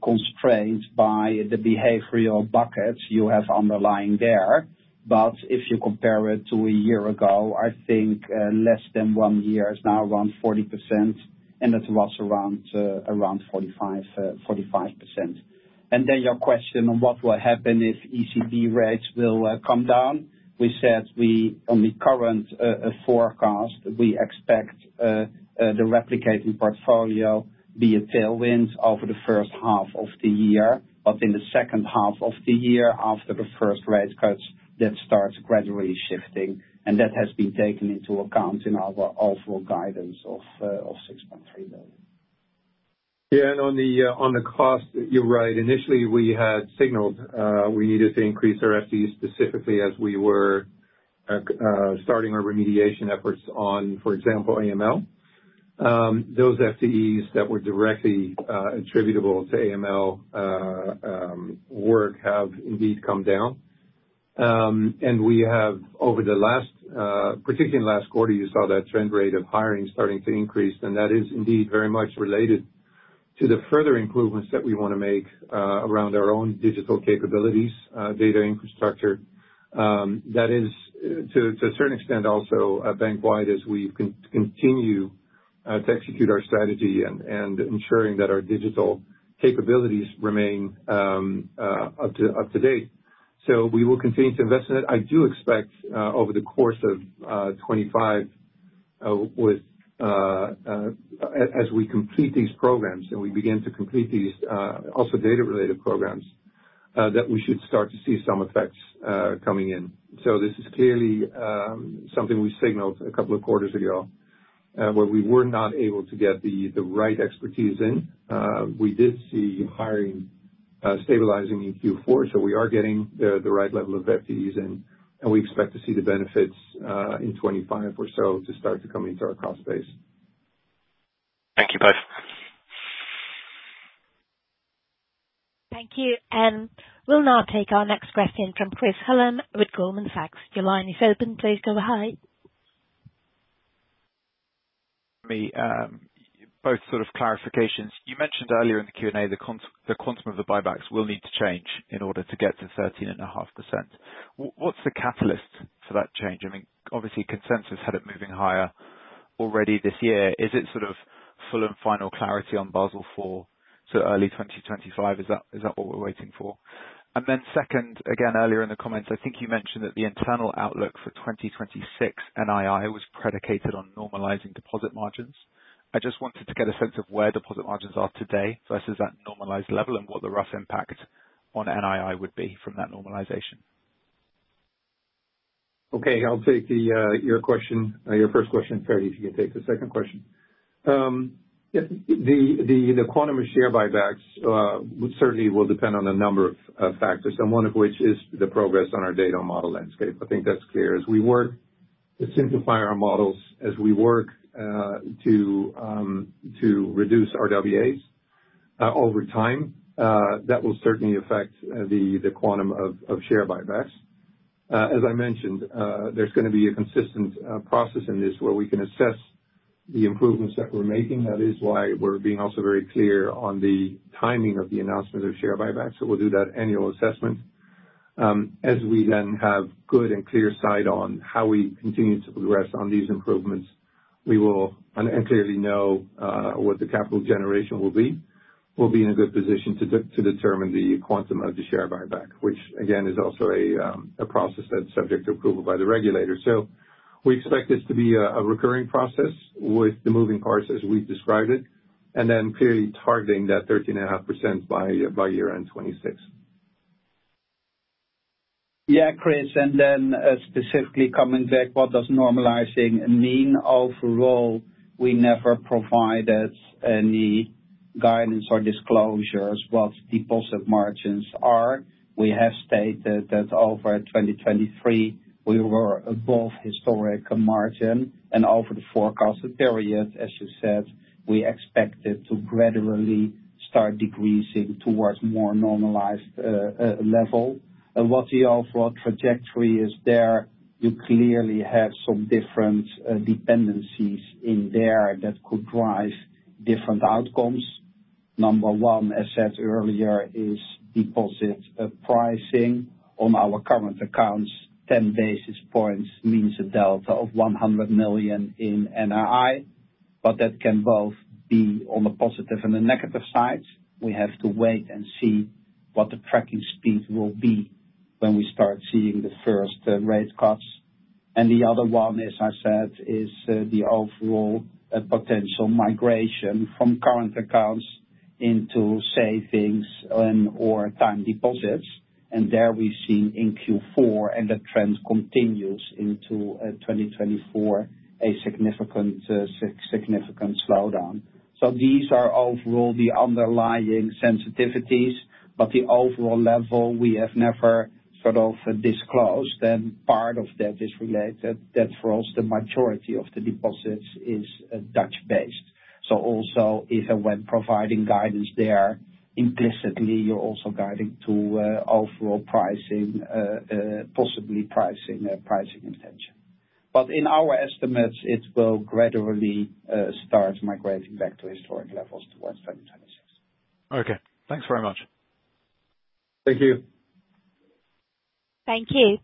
constrained by the behavioral buckets you have underlying there. But if you compare it to a year ago, I think less than one year is now around 40%, and it was around 45%. And then your question on what will happen if ECB rates will come down. We said, on the current forecast, we expect the replicating portfolio be a tailwind over the first half of the year, but in the second half of the year, after the first rate cuts, that starts gradually shifting, and that has been taken into account in our overall guidance of 6.3 billion. Yeah, and on the cost, you're right. Initially, we had signaled we needed to increase our FTEs, specifically as we were starting our remediation efforts on, for example, AML. Those FTEs that were directly attributable to AML work have indeed come down. And we have over the last, particularly in the last quarter, you saw that trend rate of hiring starting to increase, and that is indeed very much related to the further improvements that we wanna make around our own digital capabilities, data infrastructure. That is to a certain extent also bank-wide as we continue to execute our strategy and ensuring that our digital capabilities remain up to date. So we will continue to invest in it. I do expect over the course of 25 with as we complete these programs and we begin to complete these also data-related programs that we should start to see some effects coming in. So this is clearly something we signaled a couple of quarters ago where we were not able to get the right expertise in. We did see hiring stabilizing in Q4, so we are getting the right level of FTEs, and we expect to see the benefits in 25 or so to start to come into our cost base. Thank you both. Thank you. We'll now take our next question from Chris Hallam with Goldman Sachs. Your line is open. Please go ahead. Both sort of clarifications: You mentioned earlier in the Q&A, the quantum of the buybacks will need to change in order to get to 13.5%. What's the catalyst for that change? I mean, obviously, consensus had it moving higher already this year. Is it sort of full and final clarity on Basel IV to early 2025? Is that, is that what we're waiting for? And then second, again, earlier in the comments, I think you mentioned that the internal outlook for 2026 NII was predicated on normalizing deposit margins. I just wanted to get a sense of where deposit margins are today versus that normalized level, and what the rough impact on NII would be from that normalization. Okay, I'll take your first question, Ferdi, if you can take the second question. Yeah, the quantum of share buybacks certainly will depend on a number of factors, and one of which is the progress on our data model landscape. I think that's clear. As we work to simplify our models, as we work to reduce RWAs over time, that will certainly affect the quantum of share buybacks. As I mentioned, there's gonna be a consistent process in this, where we can assess the improvements that we're making. That is why we're being also very clear on the timing of the announcement of share buybacks. So we'll do that annual assessment, as we then have good and clear sight on how we continue to progress on these improvements. We will clearly know what the capital generation will be. We'll be in a good position to determine the quantum of the share buyback, which again is also a process that's subject to approval by the regulator. So we expect this to be a recurring process with the moving parts, as we've described it, and then clearly targeting that 13.5% by year-end 2026. Yeah, Chris, and then, specifically coming back, what does normalizing mean? Overall, we never provided any guidance or disclosures what deposit margins are. We have stated that over 2023, we were above historic margin, and over the forecasted period, as you said, we expect it to gradually start decreasing towards more normalized, level. And what the overall trajectory is there, you clearly have some different, dependencies in there that could drive different outcomes. Number one, as said earlier, is deposit, pricing on our current accounts. 10 basis points means a delta of 100 million in NII, but that can both be on the positive and the negative sides. We have to wait and see what the tracking speed will be when we start seeing the first, rate cuts. And the other one, as I said, is the overall potential migration from current accounts into savings and, or time deposits. And there we've seen in Q4, and the trend continues into 2024, a significant slowdown. So these are overall the underlying sensitivities, but the overall level, we have never sort of disclosed, and part of that is related. That's for us, the majority of the deposits is Dutch based. So also is when providing guidance there, implicitly, you're also guiding to overall pricing, possibly pricing intention. But in our estimates, it will gradually start migrating back to historic levels towards 2026. Okay, thanks very much. Thank you. Thank you.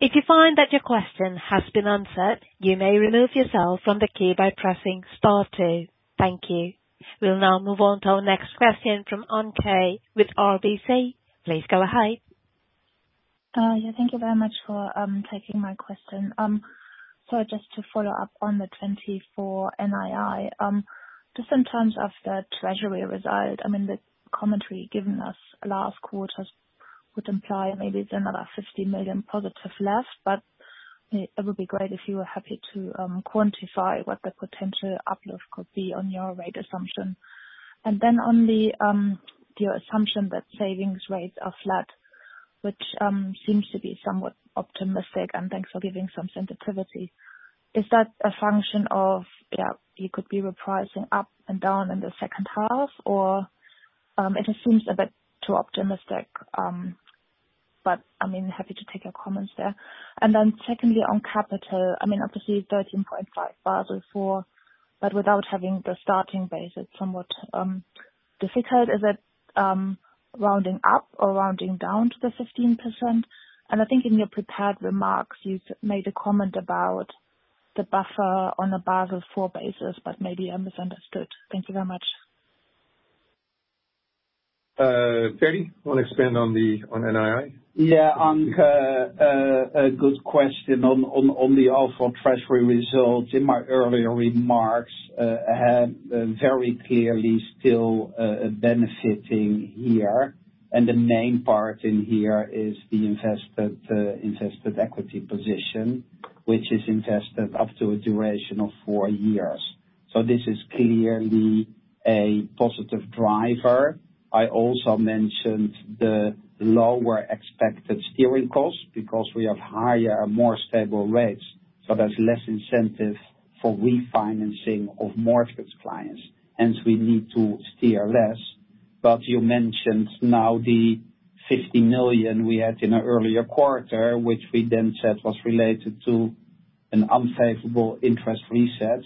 If you find that your question has been answered, you may remove yourself from the queue by pressing star two. Thank you. We'll now move on to our next question from Anke with RBC. Please go ahead. Yeah, thank you very much for taking my question. So just to follow up on the 2024 NII, just in terms of the treasury result, I mean, the commentary given us last quarter would imply maybe it's another 50 million positive less, but it would be great if you were happy to quantify what the potential uplift could be on your rate assumption. And then on your assumption that savings rates are flat, which seems to be somewhat optimistic, and thanks for giving some sensitivity. Is that a function of, yeah, you could be repricing up and down in the second half, or it just seems a bit too optimistic. But I mean, happy to take your comments there. And then secondly, on capital, I mean, obviously 13.5 Basel IV, but without having the starting base, it's somewhat difficult. Is it rounding up or rounding down to the 15%? And I think in your prepared remarks, you've made a comment about the buffer on the Basel IV basis, but maybe I misunderstood. Thank you very much. Ferdi, want to expand on the, on NII? Yeah, Anke, a good question on the overall treasury results. In my earlier remarks, I had very clearly still benefiting here, and the main part in here is the invested equity position, which is invested up to a duration of four years. So this is clearly a positive driver. I also mentioned the lower expected steering costs because we have higher and more stable rates, so there's less incentive for refinancing of mortgage clients, hence we need to steer less. But you mentioned now the 50 million we had in an earlier quarter, which we then said was related to an unfavorable interest reset.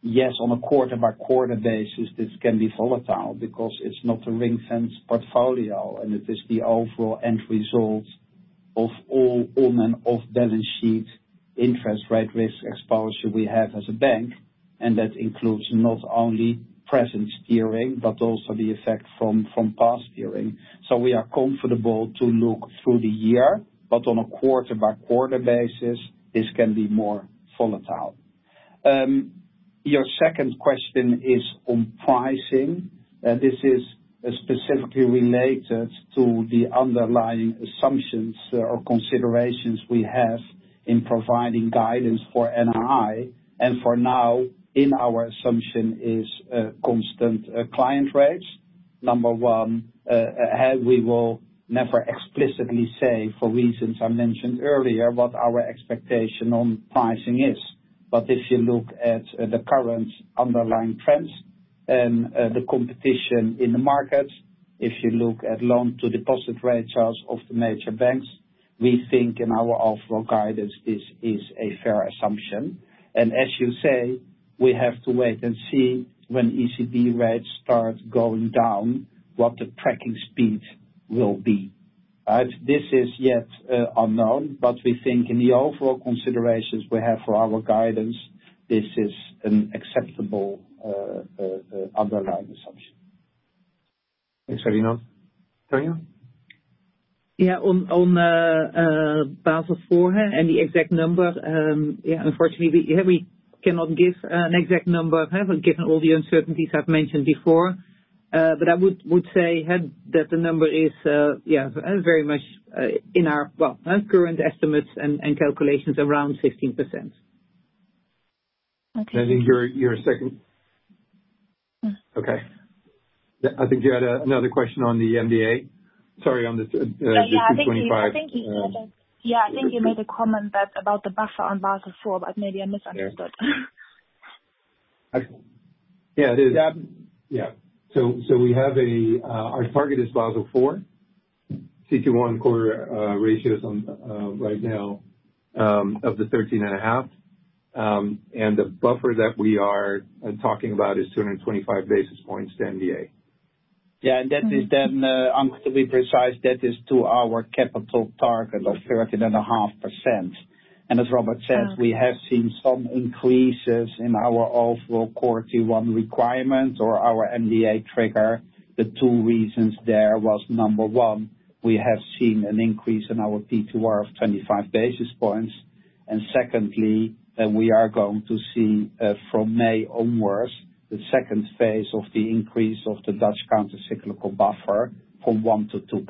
Yes, on a quarter-by-quarter basis, this can be volatile because it's not a ring-fence portfolio, and it is the overall end result of all on and off-balance sheet interest rate risk exposure we have as a bank, and that includes not only present steering but also the effect from past steering. So we are comfortable to look through the year, but on a quarter-by-quarter basis, this can be more volatile. Your second question is on pricing, and this is specifically related to the underlying assumptions or considerations we have in providing guidance for NII, and for now, in our assumption is constant client rates. Number one, and we will never explicitly say, for reasons I mentioned earlier, what our expectation on pricing is. But if you look at the current underlying trends and the competition in the market, if you look at loan to deposit rates of the major banks, we think in our overall guidance, this is a fair assumption. And as you say, we have to wait and see when ECB rates start going down, what the tracking speed will be. Right, this is yet unknown, but we think in the overall considerations we have for our guidance, this is an acceptable underlying assumption. Thanks, Ferdinand. Tanja? Yeah, on Basel IV and the exact number, yeah, unfortunately, we cannot give an exact number, given all the uncertainties I've mentioned before. But I would say that the number is, yeah, very much in our well current estimates and calculations around 15%. Okay. Okay. Yeah, I think you had another question on the MDA. Sorry, on the 225. Yeah, I think you made a comment about the buffer on Basel IV, but maybe I misunderstood. Yeah. Our target is Basel IV. CET1 ratio right now of 13.5%. And the buffer that we are talking about is 225 basis points to MDA. Yeah. That is then, to be precise, that is to our capital target of 13.5%. As Robert says, we have seen some increases in our overall core tier one requirement or our MDA trigger. The two reasons there was, number one, we have seen an increase in our PTR of 25 basis points, and secondly, that we are going to see, from May onwards, the second phase of the increase of the Dutch countercyclical buffer from 1%-2%.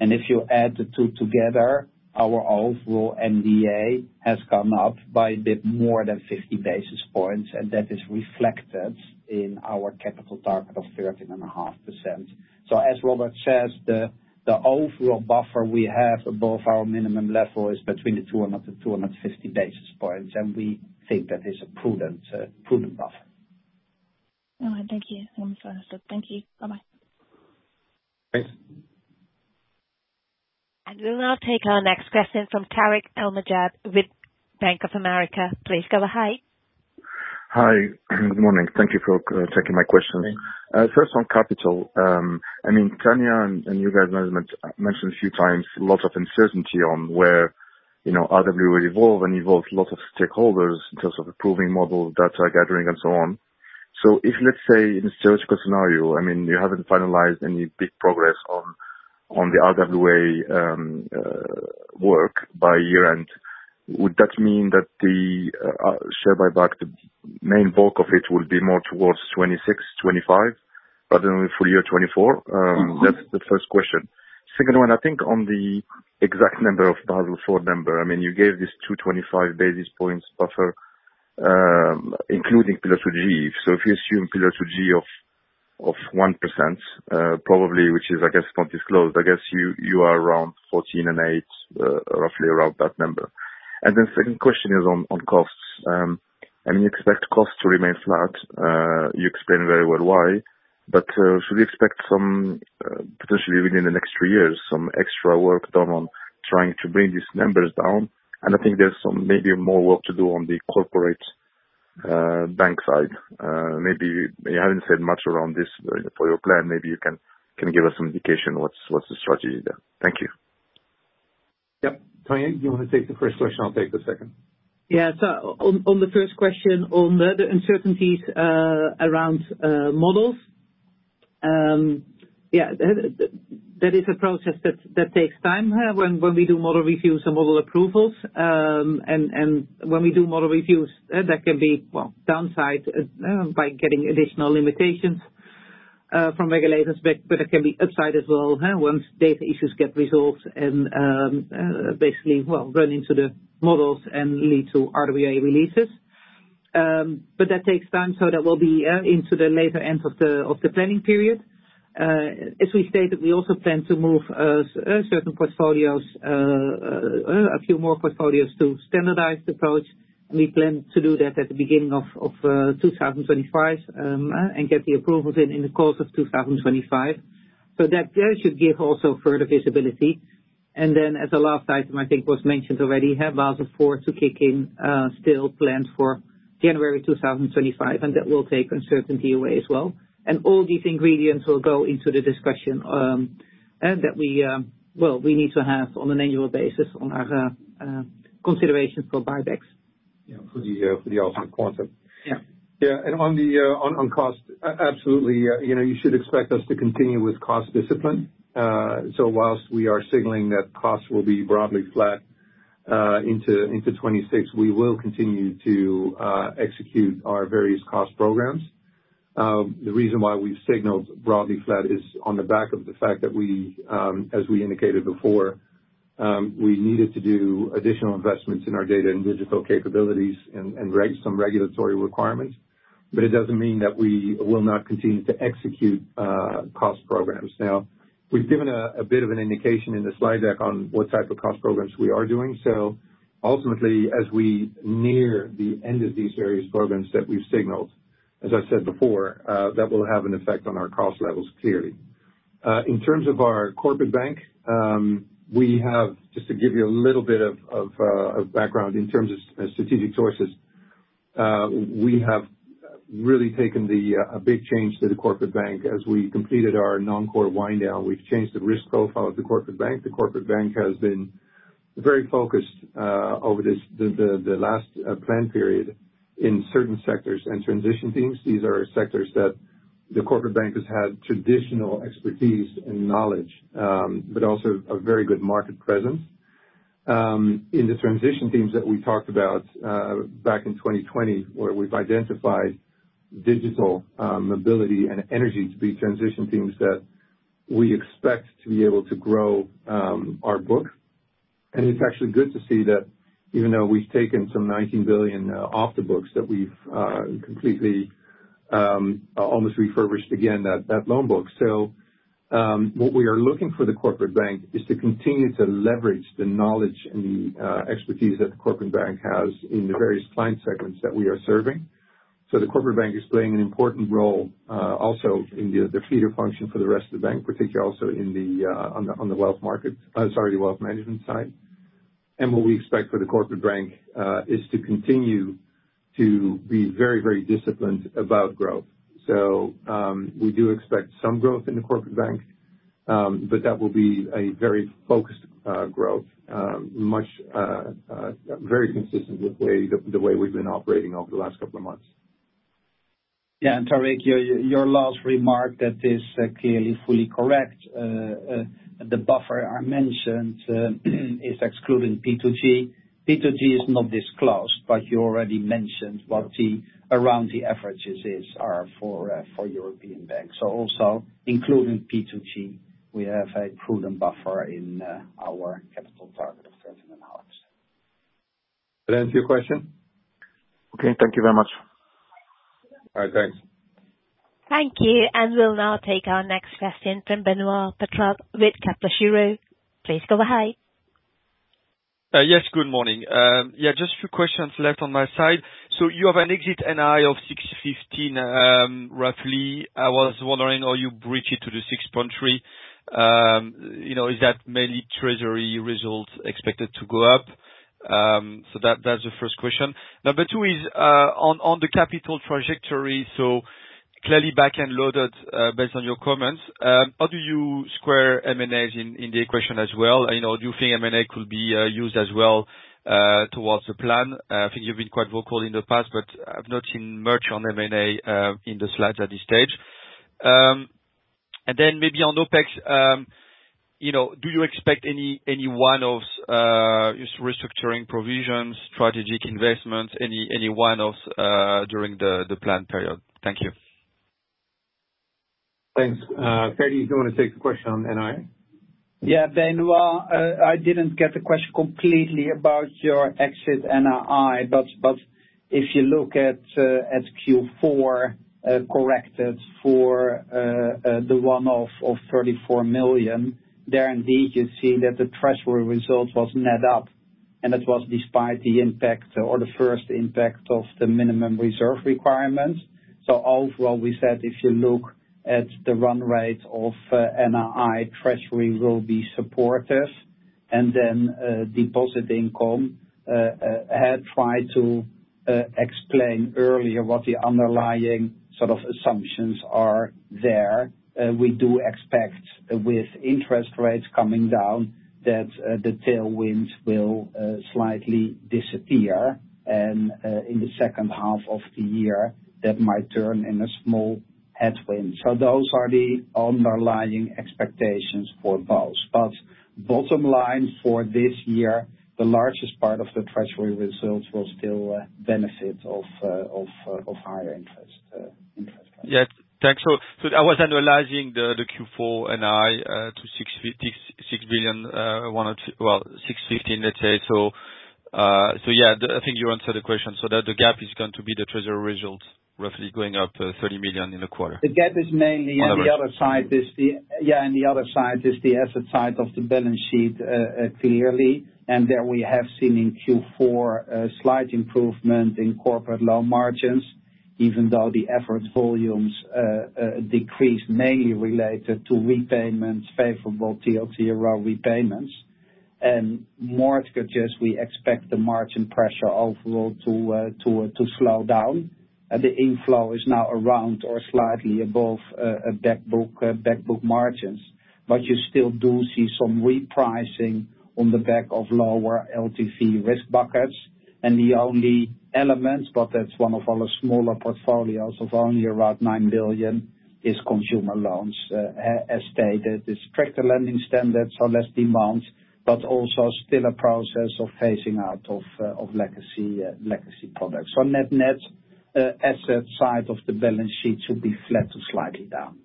If you add the two together, our overall MDA has come up by a bit more than 50 basis points, and that is reflected in our capital target of 13.5%. As Robert says, the overall buffer we have above our minimum level is between 200-250 basis points, and we think that is a prudent buffer. All right, thank you. Thank you. Bye-bye. Thanks. We'll now take our next question from Tarik El Mejjad, with Bank of America. Please go ahead. Hi. Good morning. Thank you for taking my question. First on capital. I mean, Tanja, and you guys mentioned a few times a lot of uncertainty on where, you know, RWA evolve, and involve lots of stakeholders in terms of approving model, data gathering, and so on. So if, let's say, in a surgical scenario, I mean, you haven't finalized any big progress on the RWA work by year-end, would that mean that the share buyback, the main bulk of it will be more towards 2026, 2025, rather than for year 2024? That's the first question. Second one, I think on the exact number of Basel IV number, I mean, you gave this 225 basis points buffer, including P2G. So if you assume P2G of 1%, probably, which is, I guess, not disclosed, I guess you are around 14.8, roughly around that number. And then second question is on costs. I mean, you expect costs to remain flat. You explained very well why, but should we expect some potentially within the next three years, some extra work done on trying to bring these numbers down? And I think there's some, maybe more work to do on the corporate bank side. Maybe you haven't said much around this for your plan. Maybe you can give us some indication what's the strategy there? Thank you. Yep. Tanja, you want to take the first question? I'll take the second. Yeah. So on the first question on the uncertainties around models. Yeah, that is a process that takes time when we do model reviews and model approvals, and when we do model reviews, that can be well, downside by getting additional limitations from regulators, but it can be upside as well once data issues get resolved and basically well, run into the models and lead to RWA releases. But that takes time, so that will be into the later end of the planning period. As we stated, we also plan to move certain portfolios, a few more portfolios to standardized approach, and we plan to do that at the beginning of 2025, and get the approvals in the course of 2025. So that should give also further visibility. And then as a last item, I think was mentioned already, have Basel IV to kick in, still planned for January 2025, and that will take uncertainty away as well. And all these ingredients will go into the discussion that we well, we need to have on an annual basis on our considerations for buybacks. Yeah, for the upcoming quarter. Yeah. Yeah, and on the cost, absolutely, you know, you should expect us to continue with cost discipline. So while we are signaling that costs will be broadly flat into 2026, we will continue to execute our various cost programs. The reason why we've signaled broadly flat is on the back of the fact that we, as we indicated before, we needed to do additional investments in our data and digital capabilities and some regulatory requirements, but it doesn't mean that we will not continue to execute cost programs. Now, we've given a bit of an indication in the slide deck on what type of cost programs we are doing. So ultimately, as we near the end of these various programs that we've signaled, as I said before, that will have an effect on our cost levels, clearly. In terms of our corporate bank, we have, just to give you a little bit of background in terms of strategic choices. We have really taken a big change to the corporate bank. As we completed our non-core wind down, we've changed the risk profile of the corporate bank. The corporate bank has been very focused over this, the last plan period in certain sectors and transition teams. These are sectors that the corporate bank has had traditional expertise and knowledge, but also a very good market presence. In the transition teams that we talked about back in 2020, where we've identified digital, mobility and energy to be transition teams that we expect to be able to grow our book. And it's actually good to see that even though we've taken some 19 billion off the books, that we've completely almost refurbished again, that, that loan book. So, what we are looking for the corporate bank is to continue to leverage the knowledge and the expertise that the corporate bank has in the various client segments that we are serving. So the corporate bank is playing an important role also in the, the feeder function for the rest of the bank, particularly also in the on the, on the wealth market, sorry, the wealth management side. What we expect for the corporate bank is to continue to be very, very disciplined about growth. We do expect some growth in the corporate bank, but that will be a very focused growth, much very consistent with the way, the way we've been operating over the last couple of months. Yeah, and Tarik, your, your last remark that is clearly fully correct. The buffer I mentioned is excluding P2G. P2G is not disclosed, but you already mentioned what the around the averages is, are for for European banks. So also, including P2G, we have a prudent buffer in our capital target of 13.5. That answer your question? Okay, thank you very much. All right, thanks. Thank you, and we'll now take our next question from Benoît Pétrarque with Capital Square. Please go ahead. Yes, good morning. Yeah, just a few questions left on my side. So you have an exit NI of 615, roughly. I was wondering, how you bridge it to the 6.3? You know, is that mainly treasury results expected to go up? So that, that's the first question. Number two is, on, on the capital trajectory, so clearly back-end loaded, based on your comments, how do you square M&As in, in the equation as well? You know, do you think M&A could be, used as well, towards the plan? I think you've been quite vocal in the past, but I've not seen much on M&A, in the slides at this stage. And then maybe on OpEx, you know, do you expect any one-offs, restructuring provisions, strategic investments, any one-offs, during the plan period? Thank you. Thanks. Ferdi, do you wanna take the question on NI? Yeah, Benoit, I didn't get the question completely about your exit NII, but, but if you look at, at Q4, corrected for, the one-off of 34 million, there indeed, you see that the treasury result was net up, and that was despite the impact or the first impact of the minimum reserve requirements. So overall, we said, if you look at the run rate of, NII, treasury will be supportive. And then, deposit income, I had tried to explain earlier what the underlying sort of assumptions are there. We do expect, with interest rates coming down, that, the tailwinds will slightly disappear, and, in the second half of the year, that might turn in a small headwind. So those are the underlying expectations for both. But bottom line, for this year, the largest part of the treasury results will still benefit from higher interest rates. Yeah. Thanks. So I was analyzing the Q4 NI to 656 billion, one or two. Well, 615, let's say. So, yeah, I think you answered the question, so that the gap is going to be the treasury result, roughly going up 30 million in the quarter. The gap is mainly- On average. On the other side, is the asset side of the balance sheet, clearly, and there we have seen in Q4, a slight improvement in corporate loan margins, even though the efforts volumes decreased, mainly related to repayments, favorable TLTRO repayments. Moreover, we expect the margin pressure overall to slow down. The inflow is now around or slightly above back book margins, but you still do see some repricing on the back of lower LTV risk buckets. And the only element, but that's one of our smaller portfolios of only around 9 billion, is consumer loans. As stated, it's stricter lending standards, so less demand, but also still a process of phasing out of legacy products. So net net, asset side of the balance sheet should be flat to slightly down.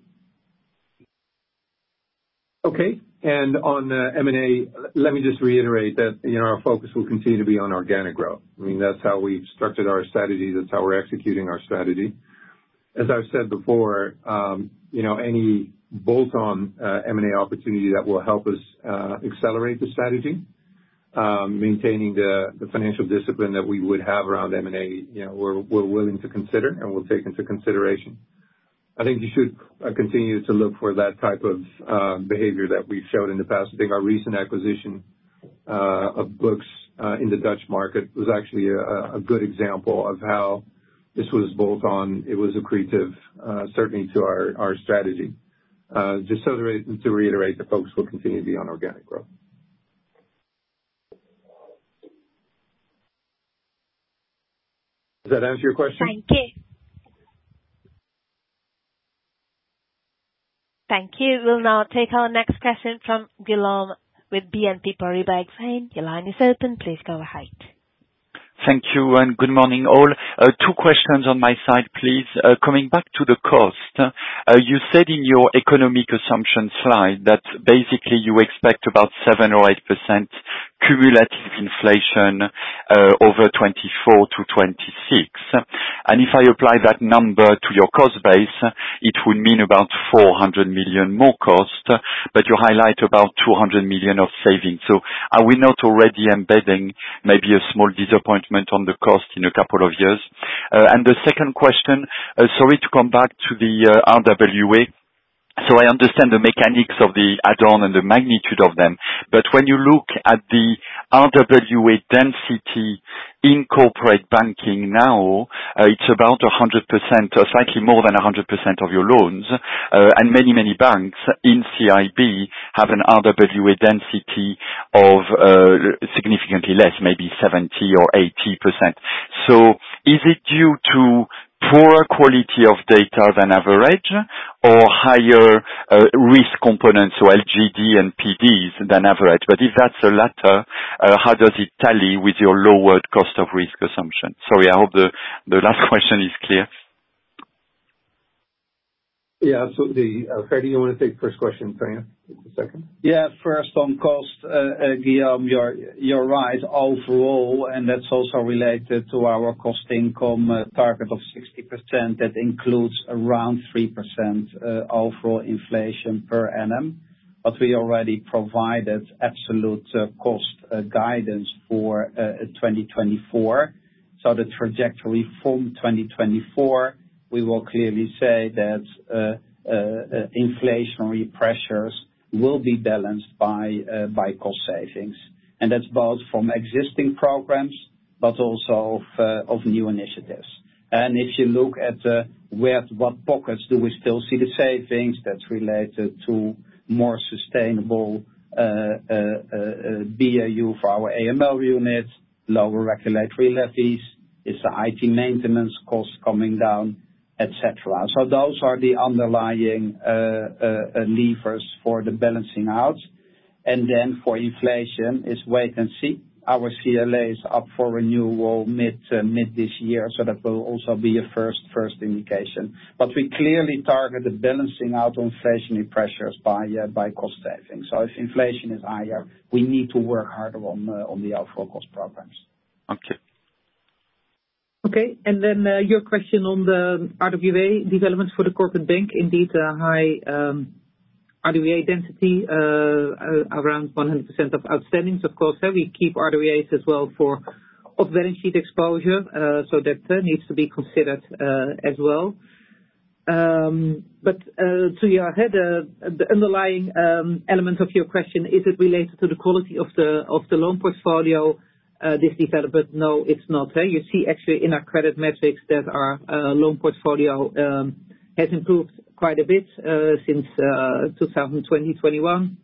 Okay. On M&A, let me just reiterate that, you know, our focus will continue to be on organic growth. I mean, that's how we've structured our strategy. That's how we're executing our strategy. As I've said before, you know, any bolt-on M&A opportunity that will help us accelerate the strategy, maintaining the financial discipline that we would have around M&A, you know, we're willing to consider and we'll take into consideration. I think you should continue to look for that type of behavior that we've shown in the past. I think our recent acquisition of BUX in the Dutch market was actually a good example of how this was bolt-on. It was accretive, certainly to our strategy. Just so to reiterate, the focus will continue to be on organic growth. Does that answer your question? Thank you. Thank you. We'll now take our next question from Guillaume with BNP Paribas Exane. Your line is open. Please go ahead. Thank you, and good morning, all. Two questions on my side, please. Coming back to the cost, you said in your economic assumption slide that basically you expect about 7%-8% cumulative inflation over 2024-2026. And if I apply that number to your cost base, it would mean about 400 million more cost, but you highlight about 200 million of savings. So are we not already embedding maybe a small disappointment on the cost in a couple of years? And the second question, sorry, to come back to the RWA. So I understand the mechanics of the add-on and the magnitude of them, but when you look at the RWA density in corporate banking now, it's about 100%, or slightly more than 100% of your loans. And many, many banks in CIB have an RWA density of significantly less, maybe 70% or 80%. So is it due to poorer quality of data than average, or higher risk components, so LGD and PDs than average? But if that's the latter, how does it tally with your lowered cost of risk assumption? Sorry, I hope the last question is clear. Yeah, absolutely. Ferdi, you wanna take the first question? Tanja, take the second. Yeah. First on cost, Guillaume, you're right overall, and that's also related to our cost income target of 60%. That includes around 3% overall inflation per annum, but we already provided absolute cost guidance for 2024. So the trajectory from 2024, we will clearly say that inflationary pressures will be balanced by cost savings. And that's both from existing programs, but also of new initiatives. And if you look at where, what pockets do we still see the savings, that's related to more sustainable BAU for our AML units, lower regulatory levies, it's the IT maintenance costs coming down, et cetera. So those are the underlying levers for the balancing out. And then for inflation, it's wait and see. Our CLA is up for renewal mid, mid this year, so that will also be a first indication. But we clearly target the balancing out on inflationary pressures by, by cost savings. So if inflation is higher, we need to work harder on, on the overall cost programs. Okay. Okay, and then, your question on the RWA developments for the corporate bank. Indeed, a high, RWA density, around 100% of outstandings. Of course, we keep RWAs as well for off-balance sheet exposure, so that needs to be considered, as well. But, to your head, the underlying, element of your question, is it related to the quality of the loan portfolio, this development? No, it's not. You see actually in our credit metrics that our loan portfolio has improved quite a bit, since 2020, 2021,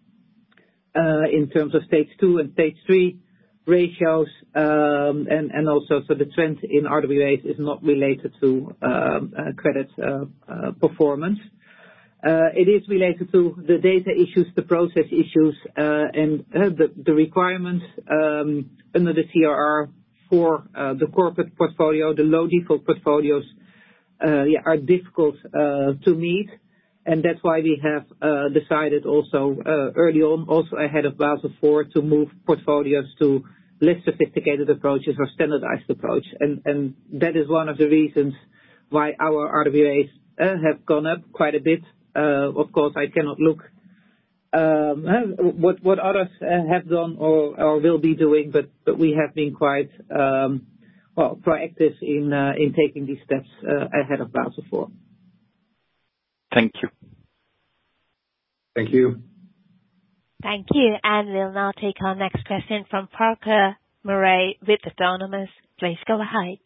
in terms of stage two and stage three ratios, and also for the trend in RWAs is not related to credit performance. It is related to the data issues, the process issues, and the requirements under the CRR for the corporate portfolio. The low default portfolios are difficult to meet, and that's why we have decided also early on, also ahead of Basel IV, to move portfolios to less sophisticated approaches or standardized approach. And that is one of the reasons why our RWAs have gone up quite a bit. Of course, I cannot look what others have done or will be doing, but we have been quite well proactive in taking these steps ahead of Basel IV. Thank you. Thank you. Thank you. We'll now take our next question from Farquhar Murray with Autonomous. Please go ahead.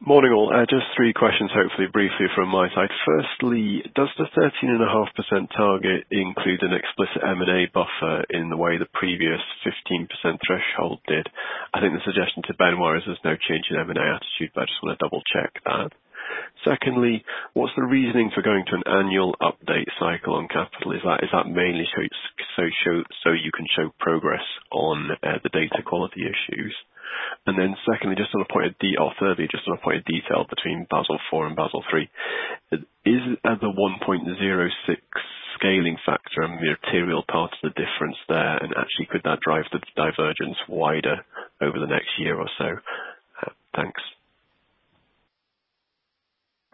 Morning, all. Just three questions, hopefully briefly from my side. Firstly, does the 13.5% target include an explicit M&A buffer in the way the previous 15% threshold did? I think the suggestion to Ben was there's no change in M&A attitude, but I just want to double check that. Secondly, what's the reasoning for going to an annual update cycle on capital? Is that mainly so you can show progress on the data quality issues? And then thirdly, just on a point of detail between Basel IV and Basel III, is the 1.06 scaling factor a material part of the difference there? And actually, could that drive the divergence wider over the next year or so? Thanks.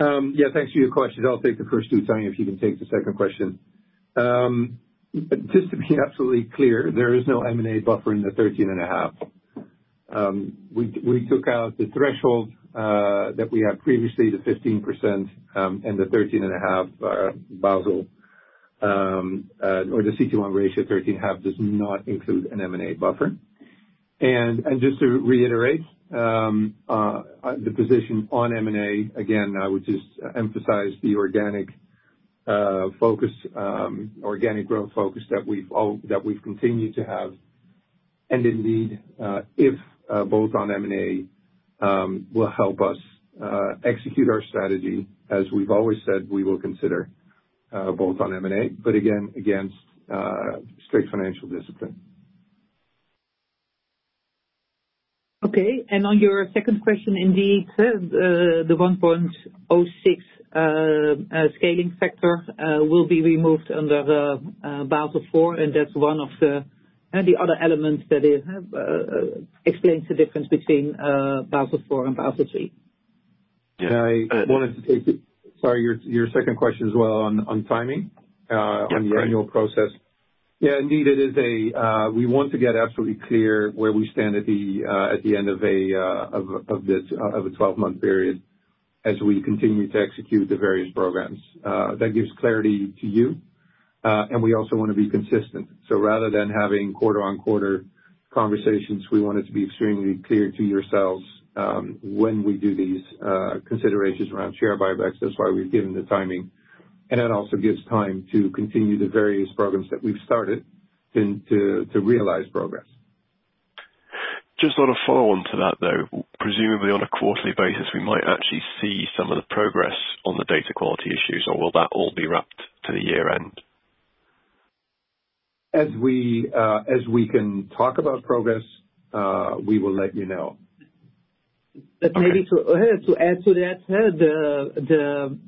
Yeah, thanks for your questions. I'll take the first two, Tanja, if you can take the second question. Just to be absolutely clear, there is no M&A buffer in the 13.5%. We took out the threshold that we had previously, the 15%, and the 13.5 Basel. Or the CET1 ratio, 13.5, does not include an M&A buffer. And just to reiterate, the position on M&A, again, I would just emphasize the organic focus, organic growth focus that we've continued to have. And indeed, if both on M&A will help us execute our strategy, as we've always said, we will consider both on M&A, but again, against strict financial discipline. Okay, and on your second question, indeed, the 1.06 scaling factor will be removed under the Basel IV, and that's one of the other elements that explains the difference between Basel IV and Basel III. Yeah, I wanted to take the... Sorry, your, your second question as well on, on timing. Yes. On the annual process. Yeah, indeed, it is. We want to get absolutely clear where we stand at the end of this 12-month period, as we continue to execute the various programs. That gives clarity to you, and we also want to be consistent. So rather than having quarter-on-quarter conversations, we want it to be extremely clear to yourselves, when we do these considerations around share buybacks. That's why we've given the timing, and it also gives time to continue the various programs that we've started to realize progress. Just on a follow-on to that, though, presumably on a quarterly basis, we might actually see some of the progress on the data quality issues, or will that all be wrapped to the year end? As we can talk about progress, we will let you know. But maybe to add to that,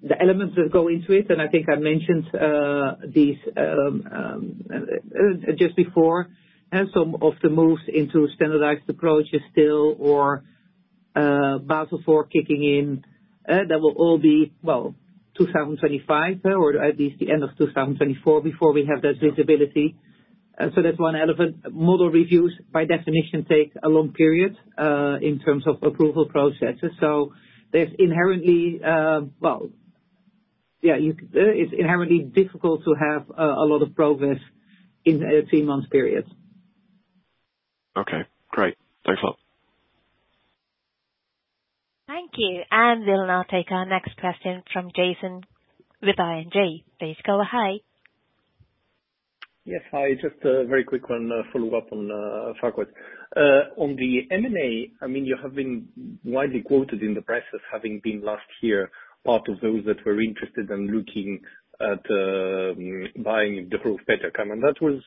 the elements that go into it, and I think I mentioned these just before, and some of the moves into standardized approach is still or Basel IV kicking in, that will all be, well, 2025, or at least the end of 2024, before we have that visibility. So that's one element. Model reviews, by definition, take a long period in terms of approval processes, so there's inherently well... Yeah, it's inherently difficult to have a lot of progress in a three-month period. Okay, great. Thanks a lot. Thank you. We'll now take our next question from Jason with ING. Please go ahead. Yes, hi. Just a very quick one, a follow-up on Farquhar. On the M&A, I mean, you have been widely quoted in the press as having been, last year, part of those that were interested in looking at buying Degroof Petercam, and that was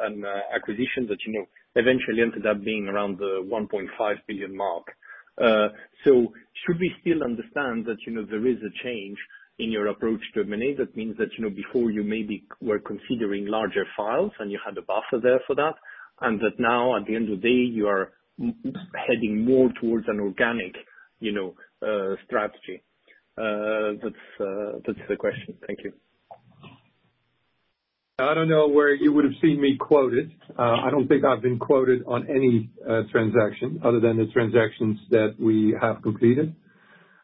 an acquisition that, you know, eventually ended up being around the 1.5 billion mark. So should we still understand that, you know, there is a change in your approach to M&A? That means that, you know, before you maybe were considering larger files, and you had a buffer there for that, and that now, at the end of the day, you are heading more towards an organic, you know, strategy? That's the question. Thank you. I don't know where you would've seen me quoted. I don't think I've been quoted on any transaction other than the transactions that we have completed.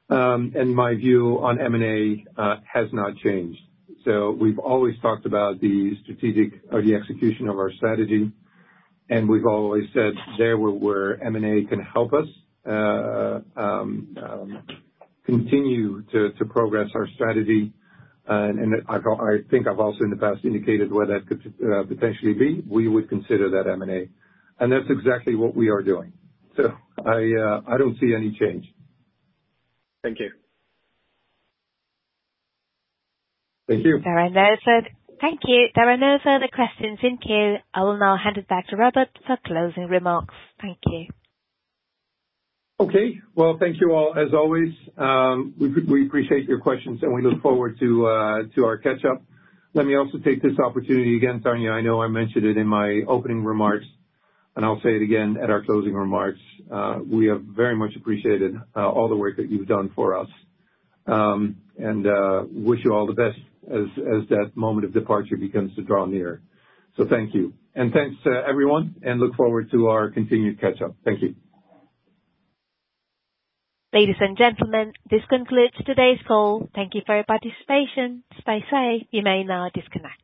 And my view on M&A has not changed. So we've always talked about the strategic or the execution of our strategy, and we've always said there where M&A can help us continue to progress our strategy, and I thought, I think I've also in the past indicated where that could potentially be, we would consider that M&A. And that's exactly what we are doing. So I don't see any change. Thank you. Thank you. There are no further... Thank you. There are no further questions in queue. I will now hand it back to Robert for closing remarks. Thank you. Okay. Well, thank you all, as always. We appreciate your questions, and we look forward to our catch up. Let me also take this opportunity again, Tanja, I know I mentioned it in my opening remarks, and I'll say it again at our closing remarks: we have very much appreciated all the work that you've done for us, and wish you all the best as that moment of departure begins to draw near. So thank you. And thanks to everyone, and look forward to our continued catch up. Thank you. Ladies and gentlemen, this concludes today's call. Thank you for your participation. That said, you may now disconnect.